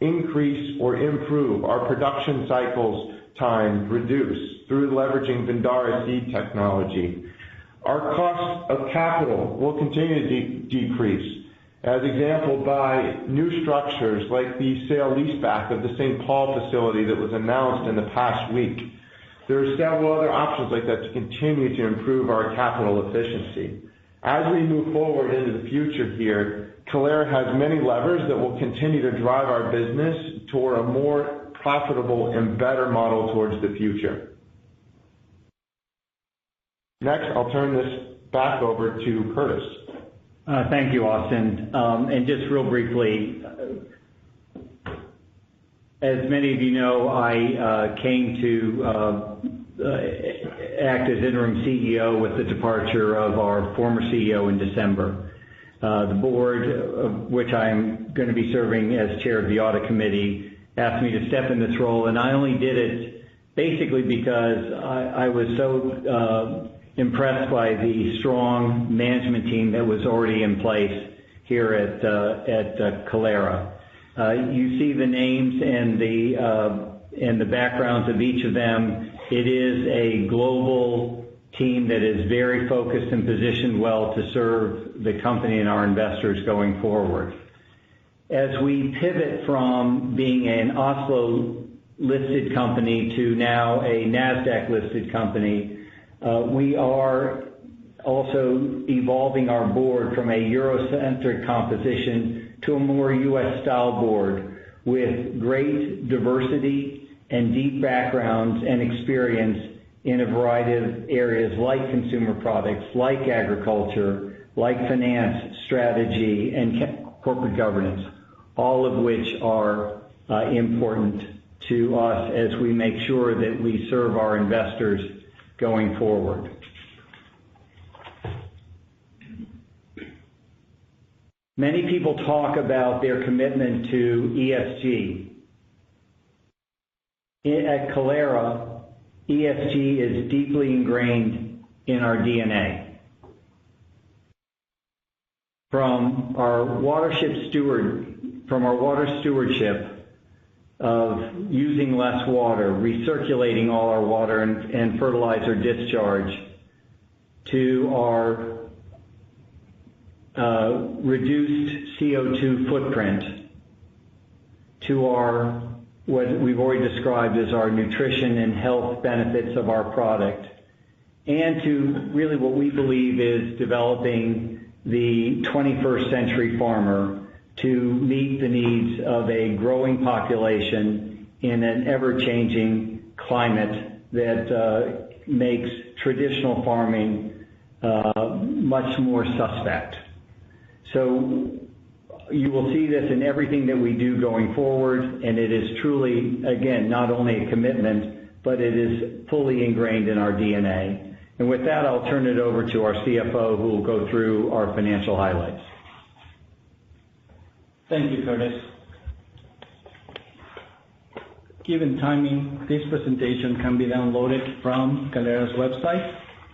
increase or improve, our production cycle times reduce through leveraging Vindara seed technology. Our cost of capital will continue to decrease, as exampled by new structures like the sale leaseback of the St. Paul facility that was announced in the past week. There are several other options like that to continue to improve our capital efficiency. As we move forward into the future here, Kalera has many levers that will continue to drive our business toward a more profitable and better model towards the future. Next, I'll turn this back over to Curtis. Thank you, Austin. Just real briefly, as many of you know, I came to act as Interim CEO with the departure of our former CEO in December. The board, of which I am gonna be serving as Chair of the Audit Committee, asked me to step in this role, and I only did it basically because I was so impressed by the strong management team that was already in place here at Kalera. You see the names and the backgrounds of each of them. It is a global team that is very focused and positioned well to serve the company and our investors going forward. As we pivot from being an Oslo-listed company to now a Nasdaq-listed company, we are also evolving our board from a Euro-centric composition to a more U.S. style board with great diversity and deep backgrounds and experience in a variety of areas like consumer products, like agriculture, like finance, strategy and corporate governance. All of which are important to us as we make sure that we serve our investors going forward. Many people talk about their commitment to ESG. At Kalera, ESG is deeply ingrained in our DNA. From our water stewardship of using less water, recirculating all our water and fertilizer discharge, to our reduced CO₂ footprint, to our what we've already described as our nutrition and health benefits of our product, and to really what we believe is developing the twenty-first century farmer to meet the needs of a growing population in an ever-changing climate that makes traditional farming much more suspect. You will see this in everything that we do going forward, and it is truly, again, not only a commitment, but it is fully ingrained in our DNA. With that, I'll turn it over to our CFO, who will go through our financial highlights. Thank you, Curtis. Given timing, this presentation can be downloaded from Kalera's website.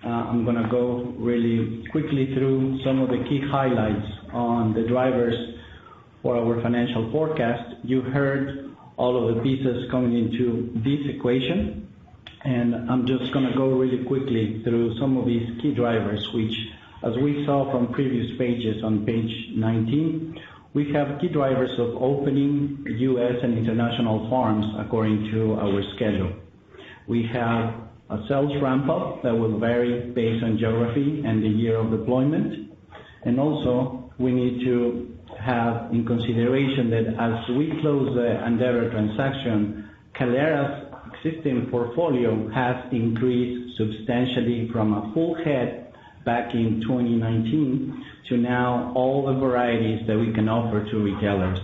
I'm gonna go really quickly through some of the key highlights on the drivers for our financial forecast. You heard all of the pieces coming into this equation, and I'm just gonna go really quickly through some of these key drivers, which as we saw from previous pages on page 19, we have key drivers of opening U.S. and international farms according to our schedule. We have a sales ramp-up that will vary based on geography and the year of deployment. Also we need to have in consideration that as we close the Vindara transaction, Kalera's existing portfolio has increased substantially from a full head back in 2019 to now all the varieties that we can offer to retailers.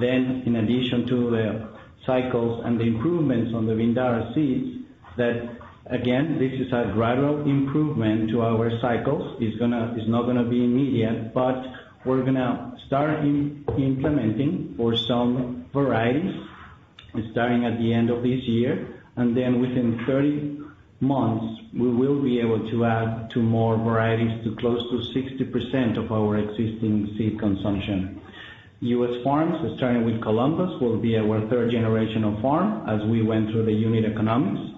In addition to the cycles and the improvements on the Vindara seeds, that again this is a gradual improvement to our cycles, is not gonna be immediate, but we're gonna start implementing for some varieties starting at the end of this year. Within 30 months, we will be able to add two more varieties to close to 60% of our existing seed consumption. U.S. farms, starting with Columbus, will be our third generation of farm as we went through the unit economics.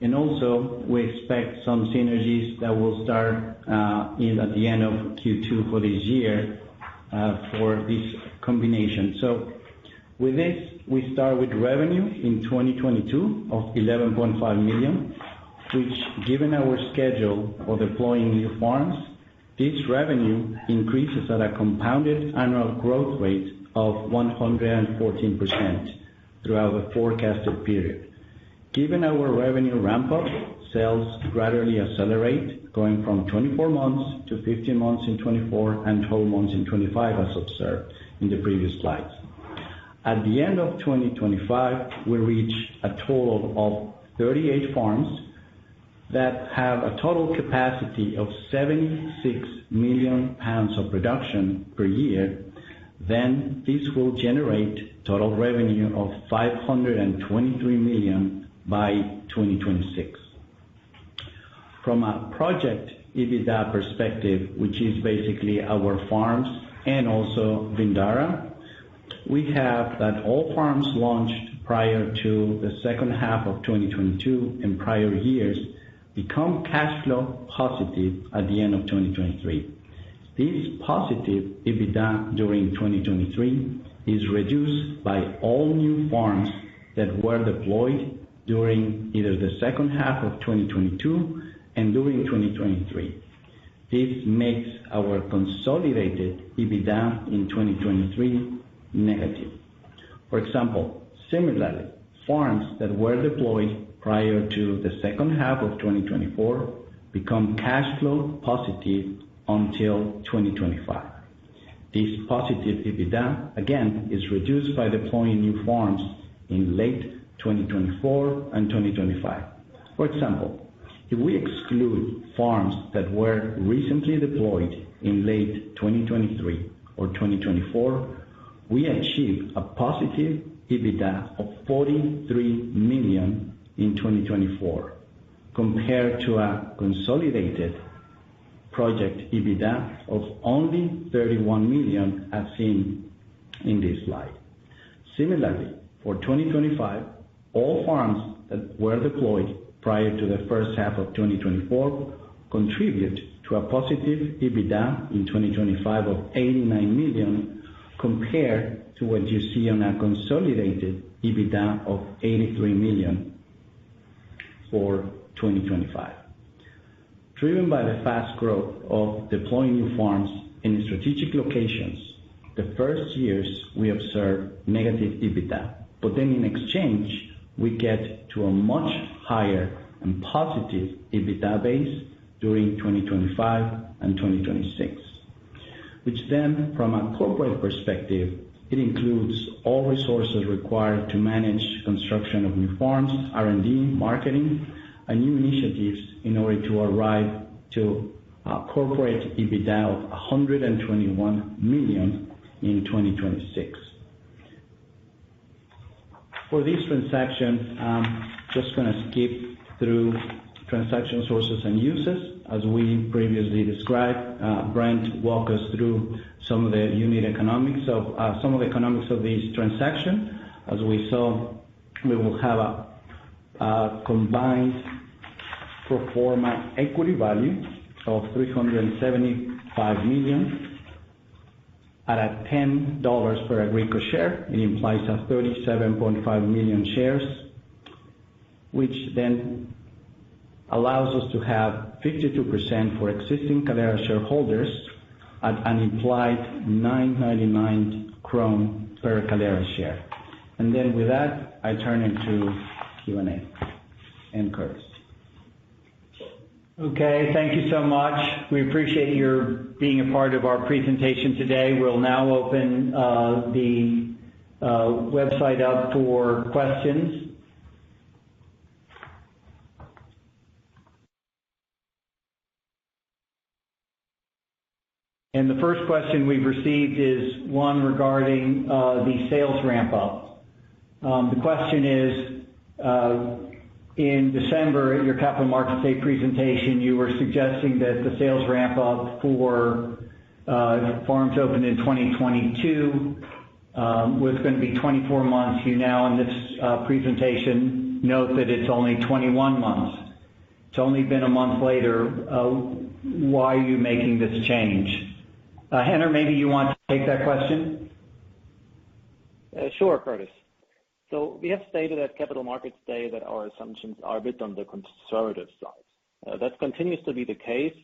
We expect some synergies that will start in at the end of Q2 for this year for this combination. With this, we start with revenue in 2022 of $11.5 million, which given our schedule for deploying new farms, this revenue increases at a compounded annual growth rate of 114% throughout the forecasted period. Given our revenue ramp-up, sales gradually accelerate, going from 24 months to 15 months in 2024 and 12 months in 2025, as observed in the previous slides. At the end of 2025, we reach a total of 38 farms that have a total capacity of 76 million pounds of production per year. This will generate total revenue of $523 million by 2026. From a project EBITDA perspective, which is basically our farms and also Vindara, we have that all farms launched prior to the second half of 2022 and prior years become cash flow positive at the end of 2023. This positive EBITDA during 2023 is reduced by all new farms that were deployed during either the second half of 2022 and during 2023. This makes our consolidated EBITDA in 2023 negative. For example, similarly, farms that were deployed prior to the second half of 2024 become cash flow positive until 2025. This positive EBITDA, again, is reduced by deploying new farms in late 2024 and 2025. For example, if we exclude farms that were recently deployed in late 2023 or 2024, we achieve a positive EBITDA of $43 million in 2024 compared to a consolidated project EBITDA of only $31 million as seen in this slide. Similarly, for 2025, all farms that were deployed prior to the first half of 2024 contribute to a positive EBITDA in 2025 of $89 million compared to what you see on a consolidated EBITDA of $83 million for 2025. Driven by the fast growth of deploying new farms in strategic locations, the first years we observe negative EBITDA, but then in exchange, we get to a much higher and positive EBITDA base during 2025 and 2026, which then from a corporate perspective, it includes all resources required to manage construction of new farms, R&D, marketing, and new initiatives in order to arrive to a corporate EBITDA of $121 million in 2026. For this transaction, I'm just gonna skip through transaction sources and uses. As we previously described, Brent walk us through some of the economics of this transaction. As we saw, we will have a combined pro forma equity value of $375 million at $10 per Agrico share. It implies 37.5 million shares, which then allows us to have 52% for existing Kalera shareholders at an implied 9.99 crown per Kalera share. With that, I turn into Q&A. Curtis. Okay, thank you so much. We appreciate your being a part of our presentation today. We'll now open the website up for questions. The first question we've received is one regarding the sales ramp up. The question is, in December at your Capital Markets Day presentation, you were suggesting that the sales ramp up for farms opened in 2022 was gonna be 24 months. You now in this presentation note that it's only 21 months. It's only been a month later. Why are you making this change? Henner, maybe you want to take that question. Sure, Curtis. We have stated at Capital Markets Day that our assumptions are a bit on the conservative side. That continues to be the case.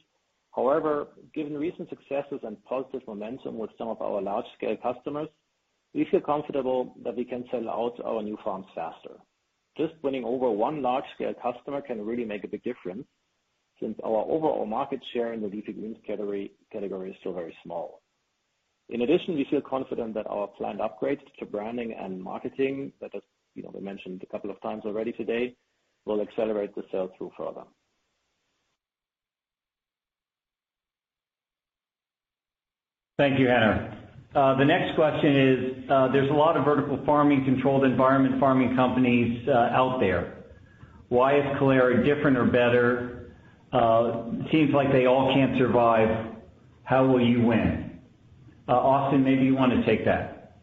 However, given recent successes and positive momentum with some of our large scale customers, we feel comfortable that we can sell out our new farms faster. Just winning over one large scale customer can really make a big difference since our overall market share in the leafy greens category is still very small. In addition, we feel confident that our planned upgrades to branding and marketing that has, you know, been mentioned a couple of times already today, will accelerate the sales through further. Thank you, Henner. The next question is, there's a lot of vertical farming, controlled environment farming companies out there. Why is Kalera different or better? Seems like they all can't survive. How will you win? Austin, maybe you wanna take that.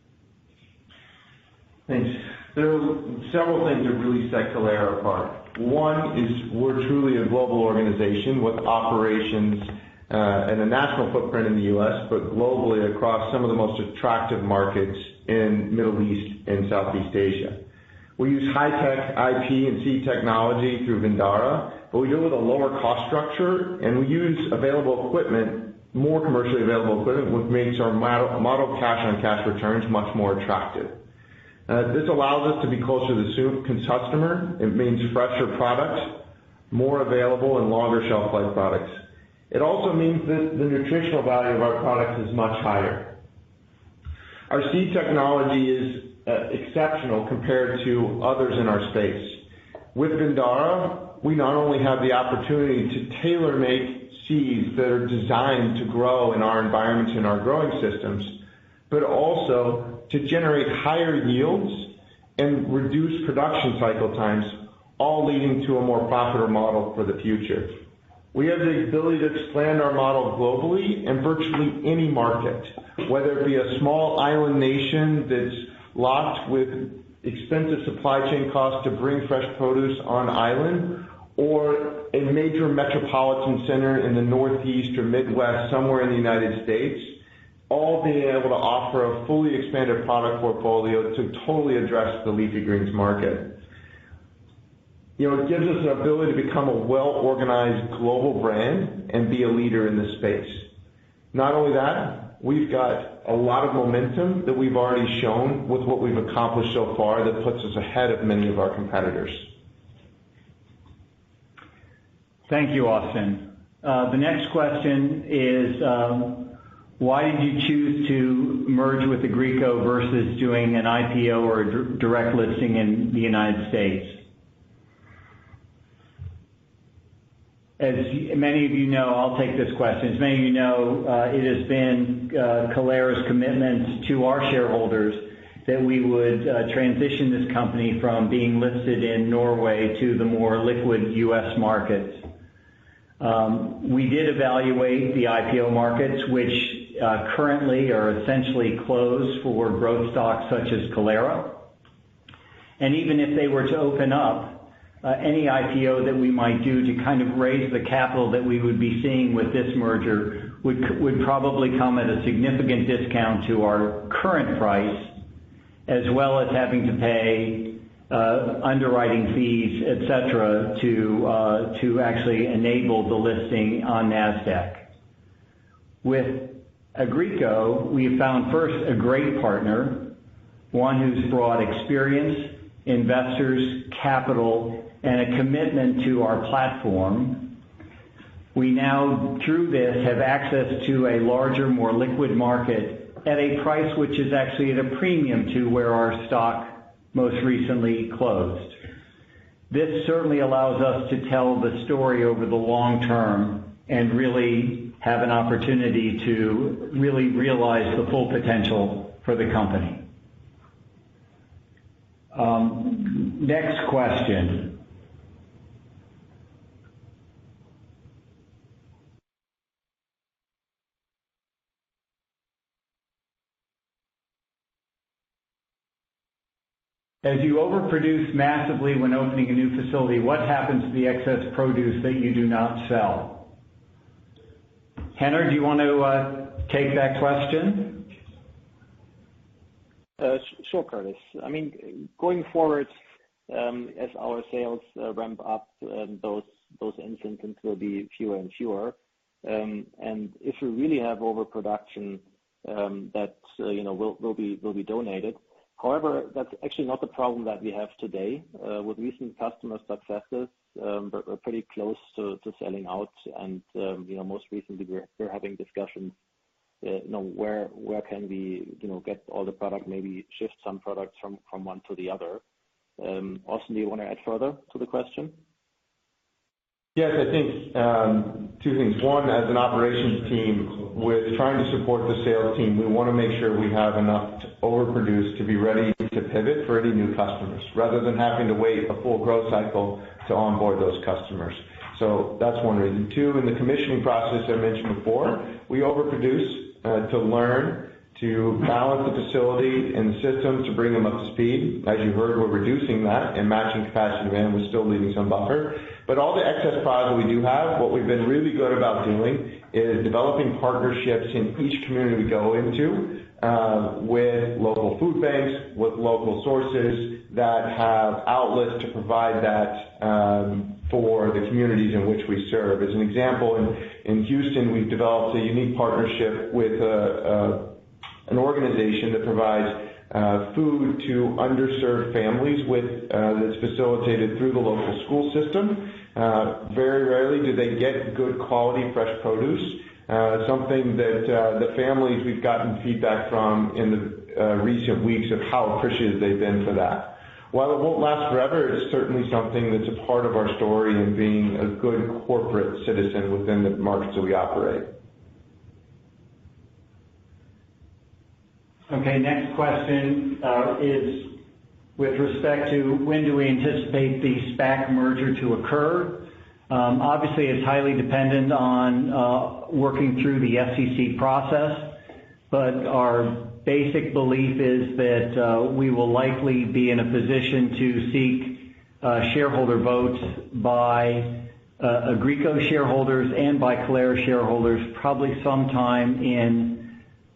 Thanks. There are several things that really set Kalera apart. One is we're truly a global organization with operations and a national footprint in the U.S., but globally across some of the most attractive markets in Middle East and Southeast Asia. We use high-tech IP and seed technology through Vindara, but we do it with a lower cost structure, and we use available equipment, more commercially available equipment, which makes our model cash and cash returns much more attractive. This allows us to be closer to the customer. It means fresher products, more available and longer shelf life products. It also means that the nutritional value of our products is much higher. Our seed technology is exceptional compared to others in our space. With Vindara, we not only have the opportunity to tailor-make seeds that are designed to grow in our environments and our growing systems, but also to generate higher yields and reduce production cycle times, all leading to a more popular model for the future. We have the ability to expand our model globally in virtually any market, whether it be a small island nation that's stuck with expensive supply chain costs to bring fresh produce on island or a major metropolitan center in the Northeast or Midwest, somewhere in the United States, all being able to offer a fully expanded product portfolio to totally address the leafy greens market. You know, it gives us an ability to become a well-organized global brand and be a leader in this space. Not only that, we've got a lot of momentum that we've already shown with what we've accomplished so far that puts us ahead of many of our competitors. Thank you, Austin. The next question is, why did you choose to merge with Agrico versus doing an IPO or a direct listing in the United States? As many of you know, I'll take this question. As many of you know, it has been Kalera's commitment to our shareholders that we would transition this company from being listed in Norway to the more liquid U.S. markets. We did evaluate the IPO markets, which currently are essentially closed for growth stocks such as Kalera. Even if they were to open up any IPO that we might do to kind of raise the capital that we would be seeing with this merger would probably come at a significant discount to our current price, as well as having to pay underwriting fees, et cetera, to actually enable the listing on Nasdaq. With Agrico, we have found, first, a great partner, one who's brought experience, investors, capital, and a commitment to our platform. We now, through this, have access to a larger, more liquid market at a price which is actually at a premium to where our stock most recently closed. This certainly allows us to tell the story over the long term and really have an opportunity to really realize the full potential for the company. Next question. As you overproduce massively when opening a new facility, what happens to the excess produce that you do not sell? Henner, do you want to take that question? Sure, Curtis. I mean, going forward, as our sales ramp up, those instances will be fewer and fewer. If we really have overproduction, that you know will be donated. However, that's actually not the problem that we have today. With recent customer successes, we're pretty close to selling out. You know, most recently we're having discussions you know where can we you know get all the product, maybe shift some products from one to the other. Austin, do you wanna add further to the question? Yes, I think, two things. One, as an operations team, we're trying to support the sales team. We wanna make sure we have enough to overproduce to be ready to pivot for any new customers rather than having to wait a full growth cycle to onboard those customers. So that's one reason. Two, in the commissioning process I mentioned before, we overproduce, to learn, to balance the facility and systems to bring them up to speed. As you heard, we're reducing that and matching capacity demand, we're still leaving some buffer. But all the excess product we do have, what we've been really good about doing is developing partnerships in each community we go into, with local food banks, with local sources that have outlets to provide that, for the communities in which we serve. As an example, in Houston, we've developed a unique partnership with an organization that provides food to underserved families that's facilitated through the local school system. Very rarely do they get good quality, fresh produce. Something that the families we've gotten feedback from in the recent weeks of how appreciative they've been for that. While it won't last forever, it is certainly something that's a part of our story and being a good corporate citizen within the markets that we operate. Okay, next question is with respect to when do we anticipate the SPAC merger to occur? Obviously, it's highly dependent on working through the SEC process. Our basic belief is that we will likely be in a position to seek shareholder votes by Agrico shareholders and by Kalera shareholders probably sometime in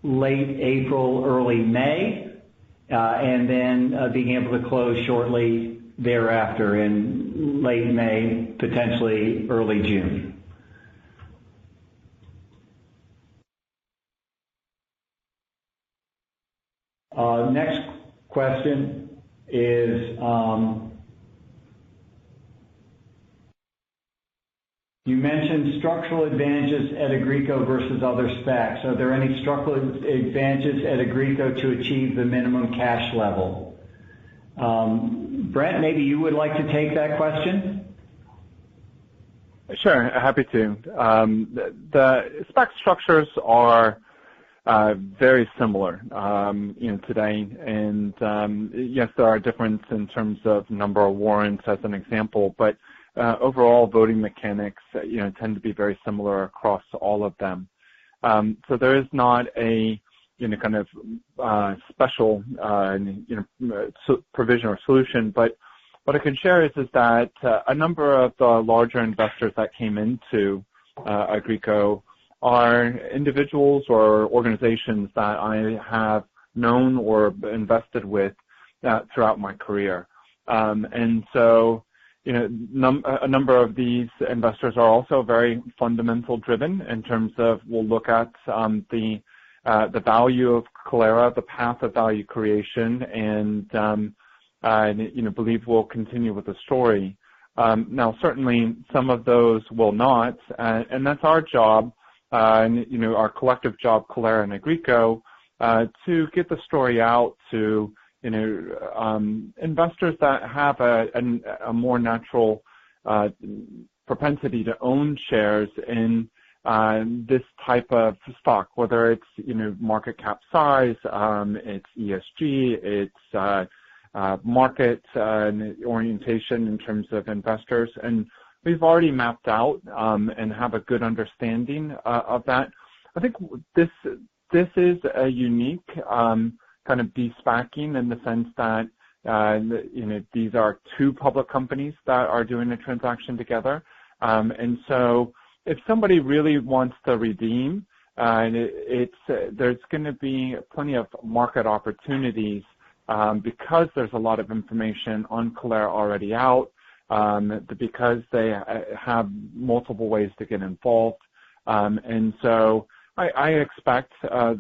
late April, early May, and then being able to close shortly thereafter in late May, potentially early June. Next question is you mentioned structural advantages at Agrico versus other SPACs. Are there any structural advantages at Agrico to achieve the minimum cash level? Brent, maybe you would like to take that question. Sure, happy to. The SPAC structures are very similar, you know, today. Yes, there are differences in terms of number of warrants as an example, but overall voting mechanics, you know, tend to be very similar across all of them. There is not a you know kind of special provision or solution. What I can share is that a number of the larger investors that came into Agrico are individuals or organizations that I have known or invested with throughout my career. A number of these investors are also very fundamentally driven in terms of we'll look at the value of Kalera, the path of value creation, and you know believe we'll continue with the story. Now certainly some of those will not, and that's our job, you know, our collective job, Kalera and Agrico, to get the story out to, you know, investors that have a more natural propensity to own shares in this type of stock, whether it's, you know, market cap size, it's ESG, it's market orientation in terms of investors. We've already mapped out and have a good understanding of that. I think this is a unique kind of de-SPACing in the sense that, you know, these are two public companies that are doing a transaction together. If somebody really wants to redeem, and it's there's gonna be plenty of market opportunities, because there's a lot of information on Kalera already out, because they have multiple ways to get involved. I expect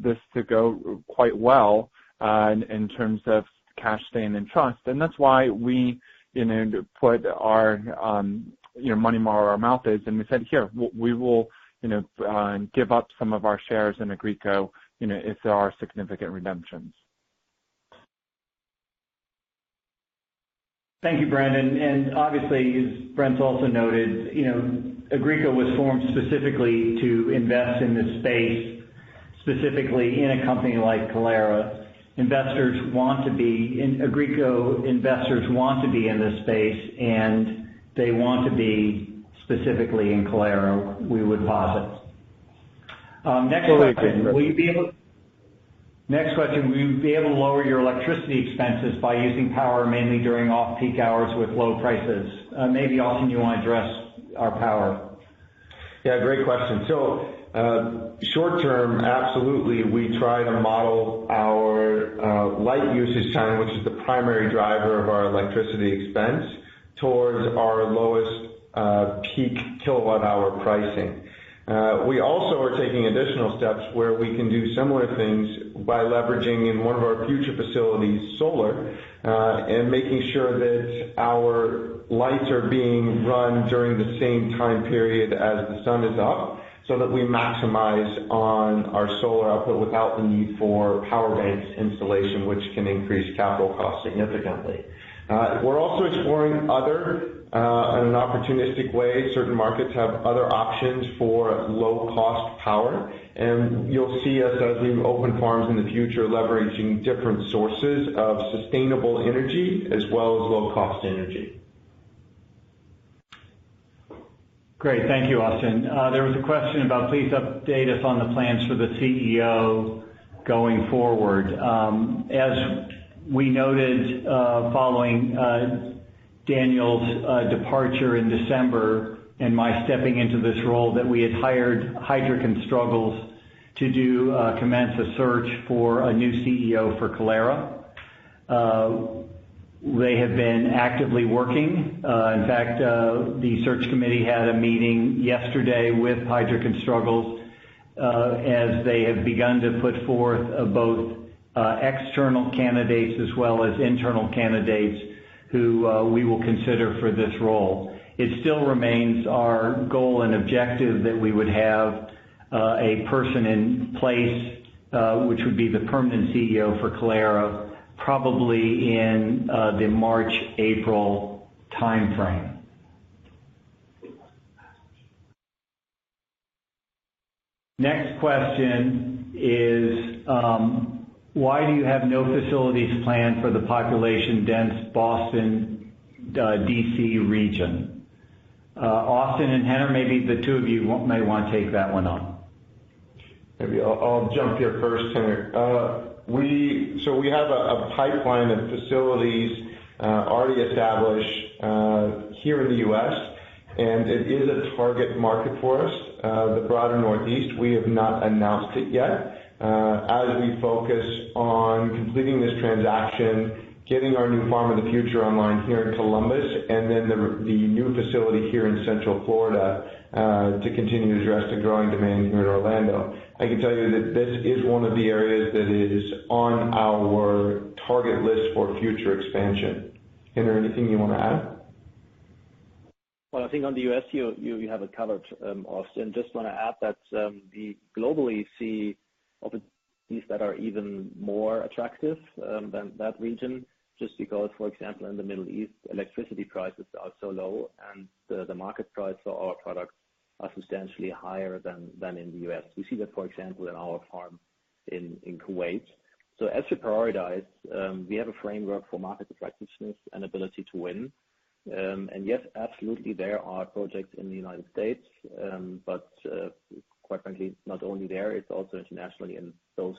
this to go quite well in terms of cash staying in trust. That's why we, you know, put our, you know, money where our mouth is, and we said, "Here, we will, you know, give up some of our shares in Agrico, you know, if there are significant redemptions. Thank you, Brent. Obviously, as Brent deJong's also noted, you know, Agrico was formed specifically to invest in this space, specifically in a company like Kalera. Investors want to be in Agrico. Investors want to be in this space, and they want to be specifically in Kalera, we would posit. Next question. Will you be able to lower your electricity expenses by using power mainly during off-peak hours with low prices? Maybe, Austin, you wanna address our power? Yeah, great question. Short term, absolutely. We try to model our light usage time, which is the primary driver of our electricity expense, towards our lowest peak kilowatt-hour pricing. We also are taking additional steps where we can do similar things by leveraging in one of our future facilities solar, and making sure that our lights are being run during the same time period as the sun is up, so that we maximize on our solar output without the need for power banks installation, which can increase capital costs significantly. We're also exploring other in an opportunistic way. Certain markets have other options for low-cost power, and you'll see us as we open farms in the future, leveraging different sources of sustainable energy as well as low-cost energy. Great. Thank you, Austin. There was a question about, please update us on the plans for the CEO going forward. As we noted, following Daniel's departure in December and my stepping into this role, that we had hired Heidrick & Struggles to commence a search for a new CEO for Kalera. They have been actively working. In fact, the search committee had a meeting yesterday with Heidrick & Struggles, as they have begun to put forth both, external candidates as well as internal candidates who, we will consider for this role. It still remains our goal and objective that we would have, a person in place, which would be the permanent CEO for Kalera, probably in, the March-April timeframe. Next question is, why do you have no facilities planned for the population-dense Boston, D.C. region? Austin and Henner, maybe the two of you may wanna take that one on. Maybe I'll jump here first, Henner. We have a pipeline of facilities already established here in the U.S., and it is a target market for us. The broader Northeast, we have not announced it yet as we focus on completing this transaction, getting our new farm of the future online here in Columbus and then the new facility here in Central Florida to continue to address the growing demand here in Orlando. I can tell you that this is one of the areas that is on our target list for future expansion. Henner, anything you wanna add? Well, I think on the U.S., you have it covered, Austin. Just wanna add that we globally see opportunities that are even more attractive than that region, just because, for example, in the Middle East, electricity prices are so low and the market price for our products are substantially higher than in the U.S. We see that, for example, in our farm in Kuwait. As we prioritize, we have a framework for market attractiveness and ability to win. Yes, absolutely, there are projects in the United States, but quite frankly, it's not only there, it's also internationally in those,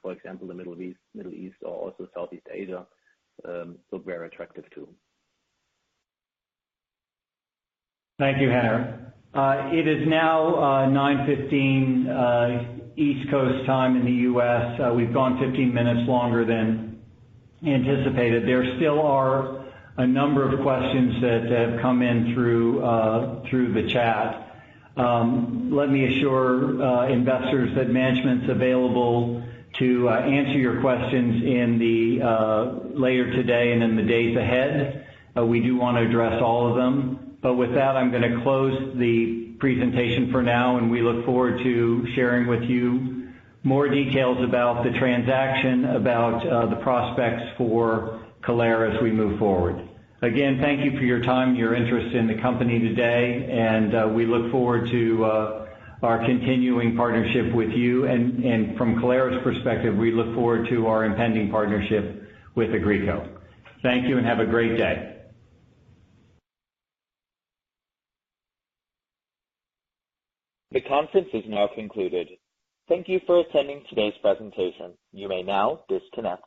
for example, the Middle East or also Southeast Asia look very attractive too. Thank you, Hannah. It is now 9:15 A.M. East Coast time in the U.S. We've gone 15 minutes longer than anticipated. There still are a number of questions that have come in through the chat. Let me assure investors that management's available to answer your questions later today and in the days ahead. We do wanna address all of them. With that, I'm gonna close the presentation for now, and we look forward to sharing with you more details about the transaction, about the prospects for Kalera as we move forward. Again, thank you for your time, your interest in the company today, and we look forward to our continuing partnership with you. From Kalera's perspective, we look forward to our impending partnership with Agrico. Thank you and have a great day. The conference is now concluded. Thank you for attending today's presentation. You may now disconnect.